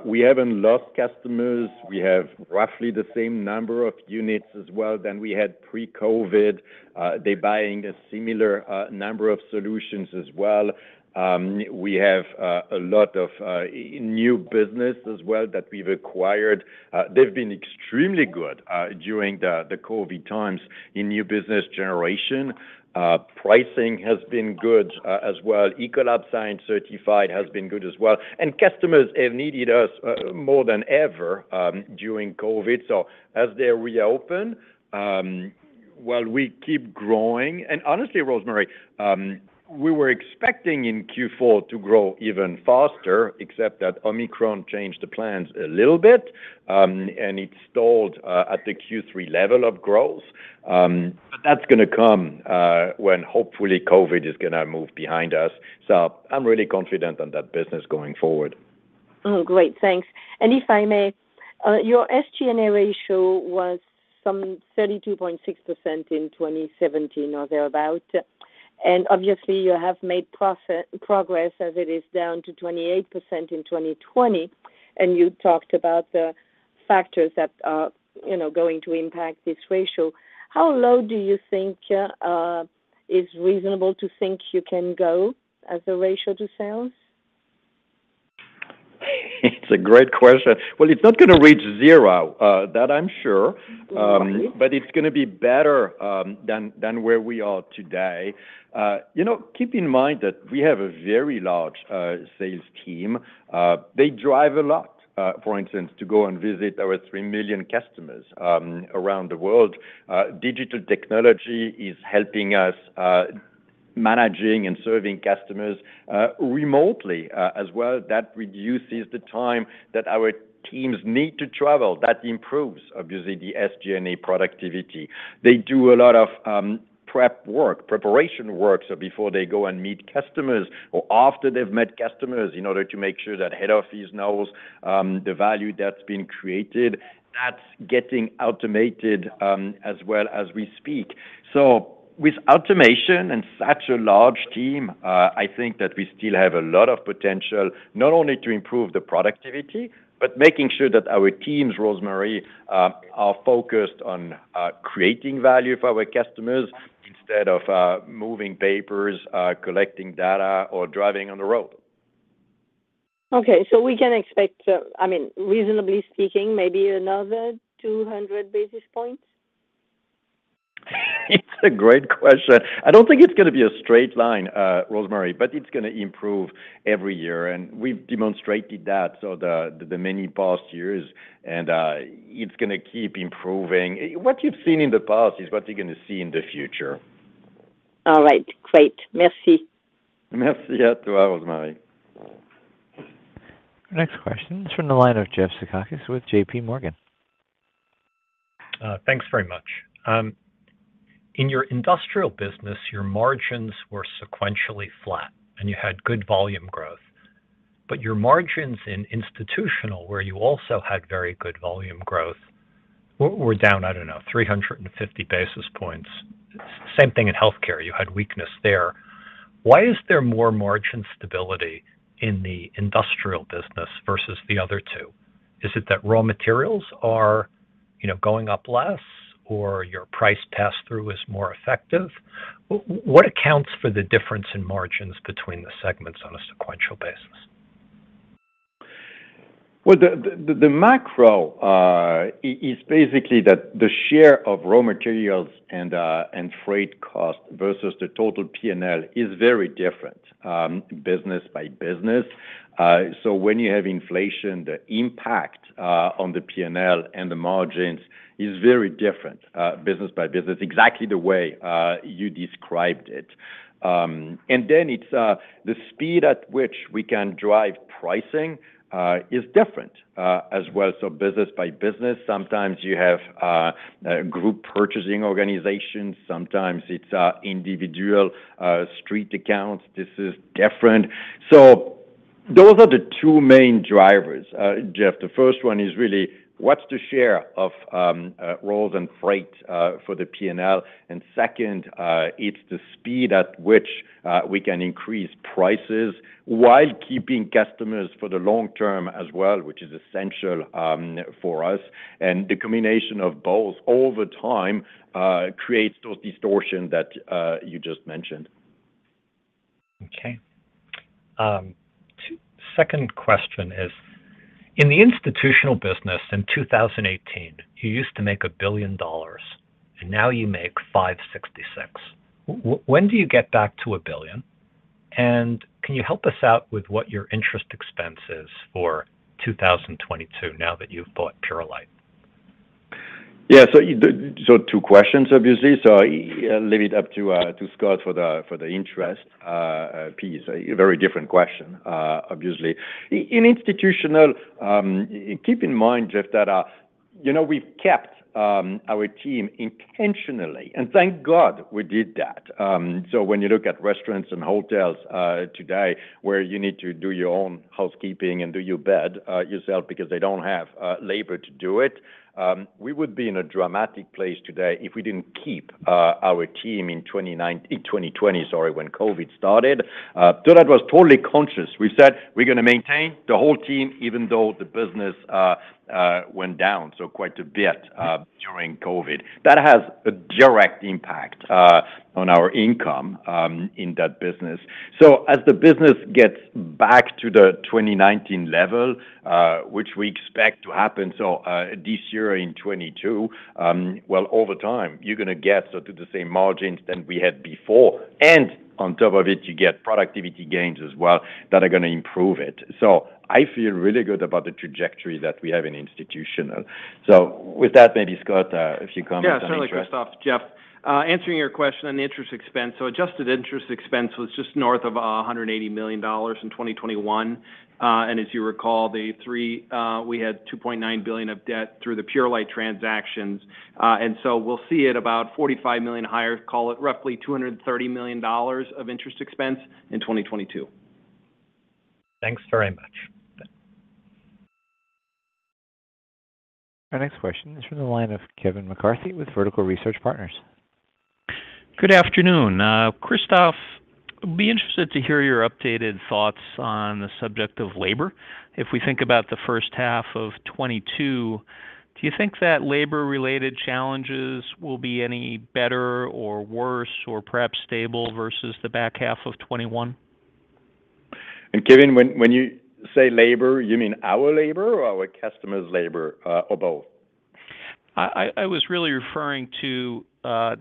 We haven't lost customers. We have roughly the same number of units as well than we had pre-COVID. They're buying a similar number of solutions as well. We have a lot of new business as well that we've acquired. They've been extremely good during the COVID times in new business generation. Pricing has been good as well. Ecolab Science Certified has been good as well. Customers have needed us more than ever during COVID. As they reopen, we keep growing. Honestly, Rosemarie, we were expecting in Q4 to grow even faster, except that Omicron changed the plans a little bit, and it stalled at the Q3 level of growth. That's gonna come when hopefully COVID is gonna move behind us. I'm really confident on that business going forward. Oh, great. Thanks. If I may, your SG&A ratio was some 32.6% in 2017 or thereabout. Obviously, you have made progress as it is down to 28% in 2020, and you talked about the factors that are, you know, going to impact this ratio. How low do you think is reasonable to think you can go as a ratio to sales? It's a great question. Well, it's not gonna reach zero, that I'm sure. Mm-hmm. It's gonna be better than where we are today. You know, keep in mind that we have a very large sales team. They drive a lot, for instance, to go and visit our 3 million customers around the world. Digital technology is helping us managing and serving customers remotely as well. That reduces the time that our teams need to travel. That improves, obviously, the SG&A productivity. They do a lot of prep work, preparation work, so before they go and meet customers or after they've met customers in order to make sure that head office knows the value that's been created. That's getting automated as we speak. With automation and such a large team, I think that we still have a lot of potential, not only to improve the productivity, but making sure that our teams, Rosemarie, are focused on creating value for our customers instead of moving papers, collecting data or driving on the road. Okay. We can expect, I mean, reasonably speaking, maybe another 200 basis points? It's a great question. I don't think it's gonna be a straight line, Rosemarie, but it's gonna improve every year, and we've demonstrated that so the many past years and, it's gonna keep improving. What you've seen in the past is what you're gonna see in the future. All right. Great. Merci. Merci to you, Rosemarie. Our next question is from the line of Jeff Zekauskas with JPMorgan. Thanks very much. In your Industrial business, your margins were sequentially flat, and you had good volume growth. Your margins in Institutional, where you also had very good volume growth, were down, I don't know, 350 basis points. Same thing in Healthcare. You had weakness there. Why is there more margin stability in the Industrial business versus the other two? Is it that raw materials are, you know, going up less or your price pass-through is more effective? What accounts for the difference in margins between the segments on a sequential basis? Well, the macro is basically that the share of raw materials and freight costs versus the total P&L is very different business by business. When you have inflation, the impact on the P&L and the margins is very different business by business, exactly the way you described it. Then it's the speed at which we can drive pricing is different as well. Business by business, sometimes you have group purchasing organizations. Sometimes it's individual street accounts. This is different. Those are the two main drivers, Jeff. The first one is really what's the share of raw materials and freight for the P&L? Second, it's the speed at which we can increase prices while keeping customers for the long term as well, which is essential for us. The combination of both over time creates those distortions that you just mentioned. Okay. Second question is, in the institutional business in 2018, you used to make $1 billion, and now you make $566 million. When do you get back to a billion? And can you help us out with what your interest expense is for 2022 now that you've bought Purolite? Yeah, two questions, obviously. I leave it up to Scott for the interest piece. A very different question, obviously. In Institutional, keep in mind, Jeff, that you know, we've kept our team intentionally, and thank God we did that. When you look at restaurants and hotels today where you need to do your own housekeeping and do your bed yourself because they don't have labor to do it, we would be in a dramatic place today if we didn't keep our team in 2020, sorry, when COVID started. That was totally conscious. We said we're gonna maintain the whole team even though the business went down so quite a bit during COVID. That has a direct impact on our income in that business. As the business gets back to the 2019 level, which we expect to happen, this year in 2022, well, over time, you're gonna get sort of the same margins than we had before. On top of it, you get productivity gains as well that are gonna improve it. I feel really good about the trajectory that we have in Institutional. With that, maybe Scott, if you comment on interest. Yeah, certainly, Christophe. Jeff, answering your question on interest expense. Adjusted interest expense was just north of $180 million in 2021. As you recall, we had $2.9 billion of debt through the Purolite transactions. We'll see it about $45 million higher, call it roughly $230 million of interest expense in 2022. Thanks very much. Our next question is from the line of Kevin McCarthy with Vertical Research Partners. Good afternoon. I'd be interested to hear your updated thoughts on the subject of labor. If we think about the first half of 2022, do you think that labor-related challenges will be any better or worse or perhaps stable versus the back half of 2021? Kevin, when you say labor, you mean our labor or our customers' labor, or both? I was really referring to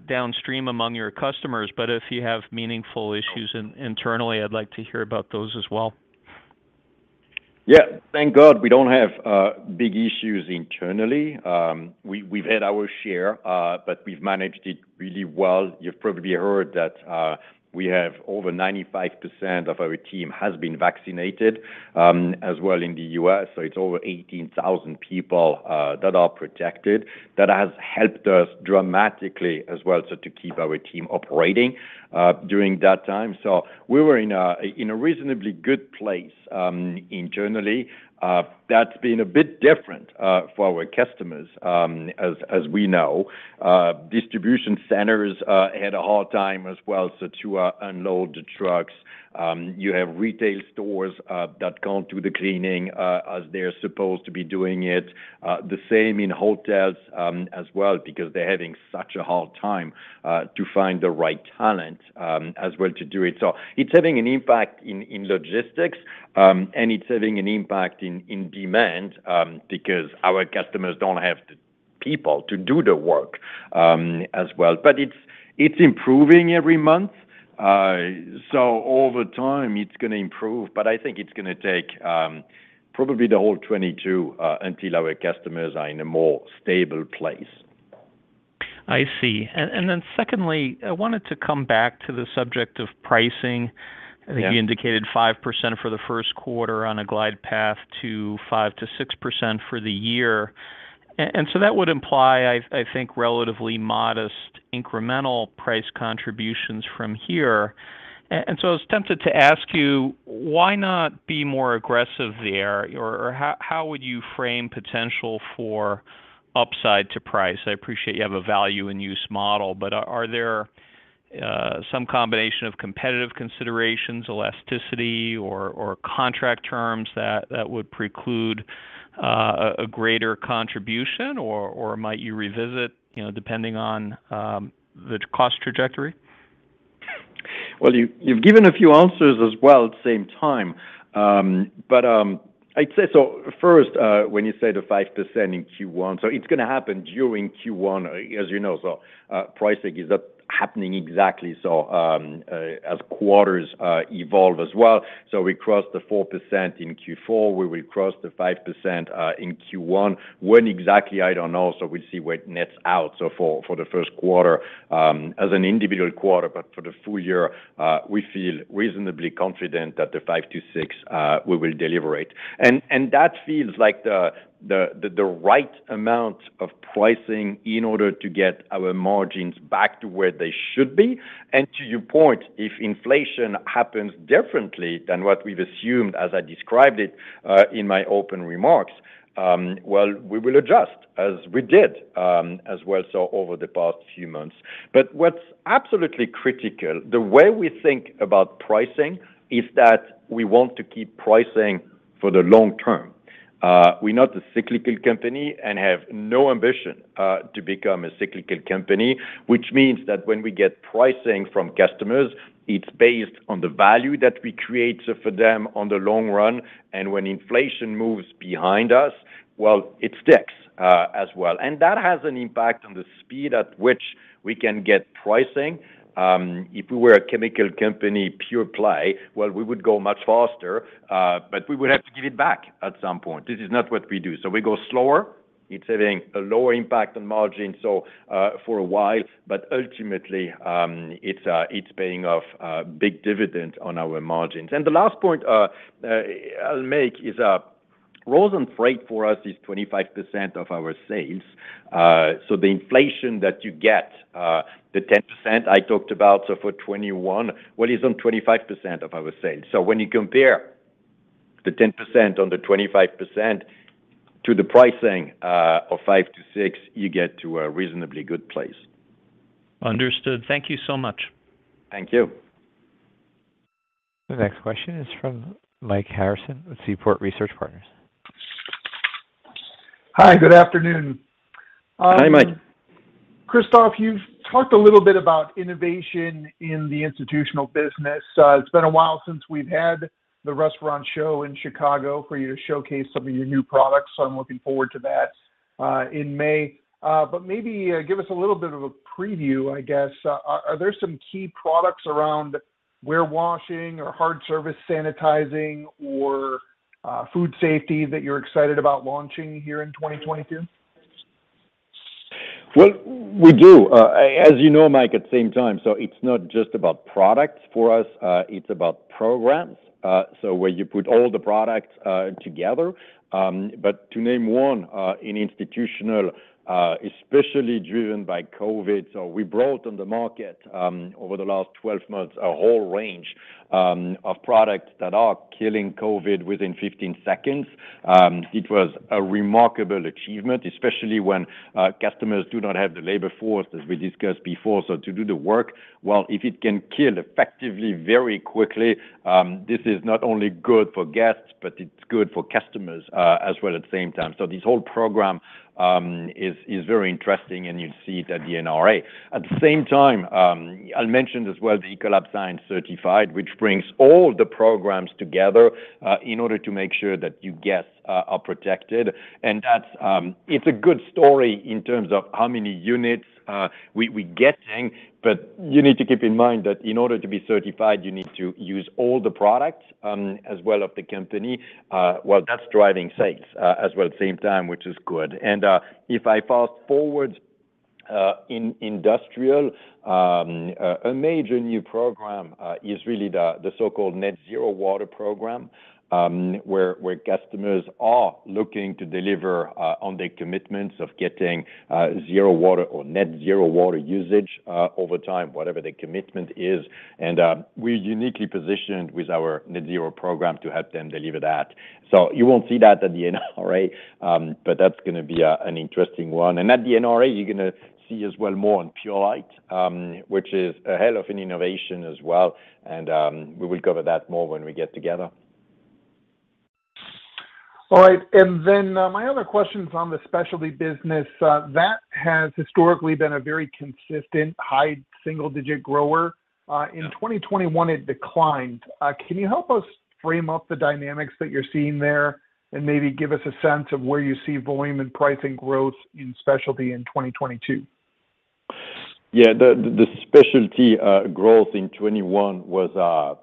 downstream among your customers, but if you have meaningful issues internally, I'd like to hear about those as well. Yeah. Thank God we don't have big issues internally. We've had our share, but we've managed it really well. You've probably heard that we have over 95% of our team has been vaccinated, as well in the U.S., so it's over 18,000 people that are protected. That has helped us dramatically as well, so to keep our team operating during that time. We were in a reasonably good place internally. That's been a bit different for our customers, as we know. Distribution centers had a hard time as well, so to unload the trucks. You have retail stores that can't do the cleaning as they're supposed to be doing it. The same in hotels as well because they're having such a hard time to find the right talent as well to do it. It's having an impact in logistics, and it's having an impact in demand because our customers don't have the people to do the work as well. It's improving every month. Over time, it's gonna improve, but I think it's gonna take probably the whole 2022 until our customers are in a more stable place. I see. Secondly, I wanted to come back to the subject of pricing. Yeah. I think you indicated 5% for the first quarter on a glide path to 5%-6% for the year. That would imply, I think, relatively modest incremental price contributions from here. I was tempted to ask you, why not be more aggressive there, or how would you frame potential for upside to price? I appreciate you have a value and use model, but are there some combination of competitive considerations, elasticity or contract terms that would preclude a greater contribution or might you revisit, you know, depending on the cost trajectory? Well, you've given a few answers as well at the same time. But I'd say first, when you say the 5% in Q1, it's gonna happen during Q1, as you know. Pricing is happening exactly, so as quarters evolve as well. We crossed the 4% in Q4. We will cross the 5% in Q1. When exactly? I don't know. We'll see where it nets out. For the first quarter as an individual quarter, but for the full year, we feel reasonably confident that the 5%-6% we will deliver it. That feels like the right amount of pricing in order to get our margins back to where they should be. To your point, if inflation happens differently than what we've assumed as I described it, in my opening remarks, well, we will adjust as we did, as well, so over the past few months. What's absolutely critical, the way we think about pricing is that we want to keep pricing for the long term. We're not a cyclical company and have no ambition to become a cyclical company, which means that when we get pricing from customers, it's based on the value that we create for them on the long run, and when inflation moves behind us, well, it sticks as well. That has an impact on the speed at which we can get pricing. If we were a chemical company pure play, well, we would go much faster, but we would have to give it back at some point. This is not what we do. We go slower. It's having a lower impact on margin, so for a while, but ultimately, it's paying off a big dividend on our margins. The last point I'll make is raw materials and freight for us is 25% of our sales. The inflation that you get, the 10% I talked about, so for 2021, it's on 25% of our sales. When you compare the 10% on the 25% to the pricing of 5%-6%, you get to a reasonably good place. Understood. Thank you so much. Thank you. The next question is from Mike Harrison with Seaport Research Partners. Hi, good afternoon. Hi, Mike. Christophe, you've talked a little bit about innovation in the institutional business. It's been a while since we've had the restaurant show in Chicago for you to showcase some of your new products, so I'm looking forward to that in May. Maybe give us a little bit of a preview, I guess. Are there some key products around warewashing or hard-surface sanitizing or food safety that you're excited about launching here in 2022? Well, we do, as you know, Mike, at the same time. It's not just about products for us, it's about programs where you put all the products together. To name one in Institutional, especially driven by COVID, we brought on the market over the last 12 months a whole range of products that are killing COVID within 15 seconds. It was a remarkable achievement, especially when customers do not have the labor force, as we discussed before. To do the work, well, if it can kill effectively very quickly, this is not only good for guests, but it's good for customers as well at the same time. This whole program is very interesting, and you'll see it at the NRA. At the same time, I'll mention as well the Ecolab Science Certified, which brings all the programs together, in order to make sure that your guests are protected. That's a good story in terms of how many units we're getting, but you need to keep in mind that in order to be certified, you need to use all the products as well of the company. That's driving sales as well at the same time, which is good. If I fast forward to industrial, a major new program is really the so-called Ecolab Water for Climate, where customers are looking to deliver on their commitments of getting zero water or net zero water usage over time, whatever the commitment is. We're uniquely positioned with our Net-Zero program to help them deliver that. You won't see that at the NRA, but that's gonna be an interesting one. At the NRA, you're gonna see as well more on Purolite, which is a hell of an innovation as well, and we will cover that more when we get together. All right. My other question is on the specialty business. That has historically been a very consistent high single-digit grower. Yeah... in 2021 it declined. Can you help us frame up the dynamics that you're seeing there and maybe give us a sense of where you see volume and pricing growth in specialty in 2022? Yeah. The specialty growth in 2021 was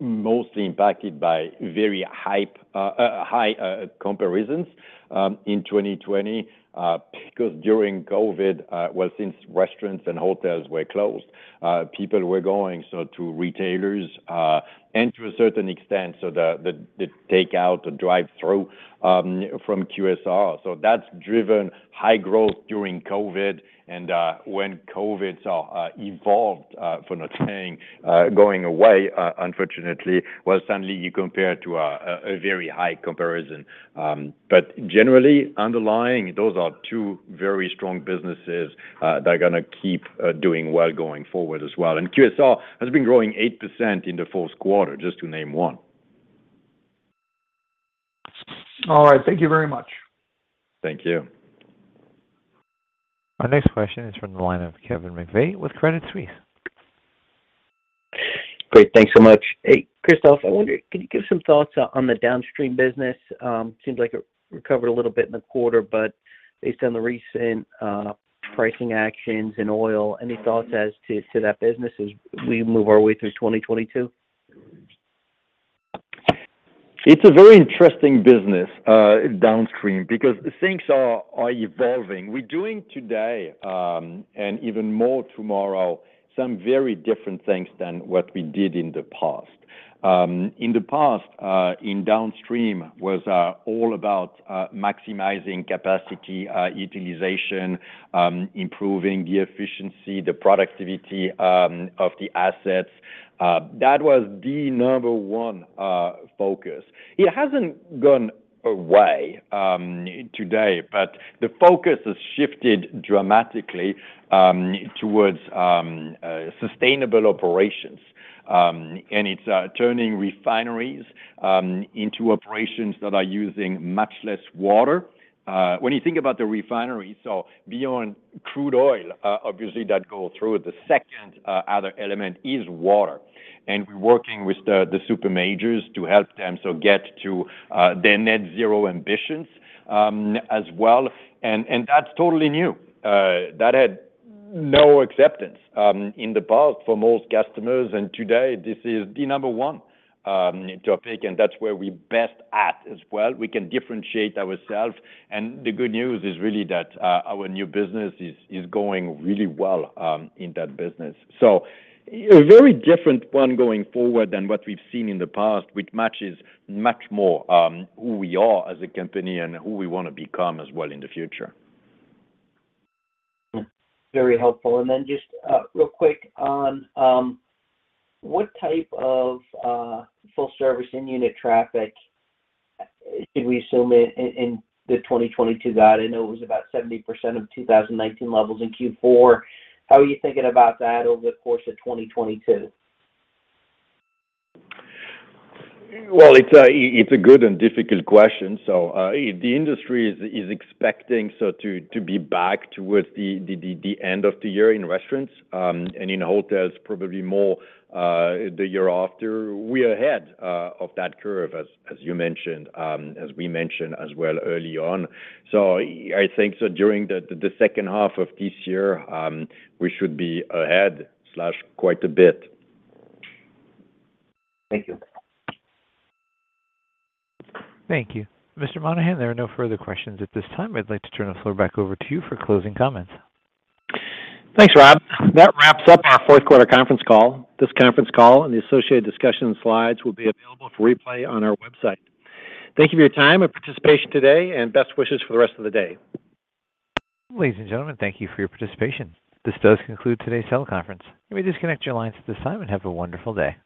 mostly impacted by very high comparisons in 2020 because during COVID, well, since restaurants and hotels were closed, people were going so to retailers and to a certain extent, so the takeout or drive-through from QSR. That's driven high growth during COVID and when COVID evolved from, let's say, going away, unfortunately, well, suddenly you compare to a very high comparison. But generally underlying, those are two very strong businesses that are gonna keep doing well going forward as well. QSR has been growing 8% in the fourth quarter, just to name one. All right. Thank you very much. Thank you. Our next question is from the line of Kevin McVeigh with Credit Suisse. Great. Thanks so much. Hey, Christophe, I wonder, can you give some thoughts on the downstream business? Seems like it recovered a little bit in the quarter, but based on the recent pricing actions in oil, any thoughts as to that business as we move our way through 2022? It's a very interesting business, downstream because things are evolving. We're doing today, and even more tomorrow, some very different things than what we did in the past. In the past, in downstream was all about maximizing capacity utilization, improving the efficiency, the productivity of the assets. That was the number one focus. It hasn't gone away today, but the focus has shifted dramatically towards sustainable operations. It's turning refineries into operations that are using much less water. When you think about the refineries, so beyond crude oil, obviously that go through, the second other element is water. We're working with the supermajors to help them so get to their Net-Zero ambitions, as well, and that's totally new. That had no acceptance in the past for most customers, and today this is the number one topic, and that's where we're best at as well. We can differentiate ourselves, and the good news is really that our new business is going really well in that business. A very different one going forward than what we've seen in the past, which matches much more who we are as a company and who we wanna become as well in the future. Very helpful. Just real quick on what type of full service in unit traffic should we assume in the 2022 guide? I know it was about 70% of 2019 levels in Q4. How are you thinking about that over the course of 2022? Well, it's a good and difficult question. The industry is expecting to be back towards the end of the year in restaurants and in hotels probably more the year after. We're ahead of that curve, as you mentioned, as we mentioned as well early on. I think during the second half of this year, we should be ahead quite a bit. Thank you. Thank you. Mr. Monahan, there are no further questions at this time. I'd like to turn the floor back over to you for closing comments. Thanks, Rob. That wraps up our fourth quarter conference call. This conference call and the associated discussion slides will be available for replay on our website. Thank you for your time and participation today, and best wishes for the rest of the day. Ladies and gentlemen, thank you for your participation. This does conclude today's teleconference. You may disconnect your lines at this time, and have a wonderful day.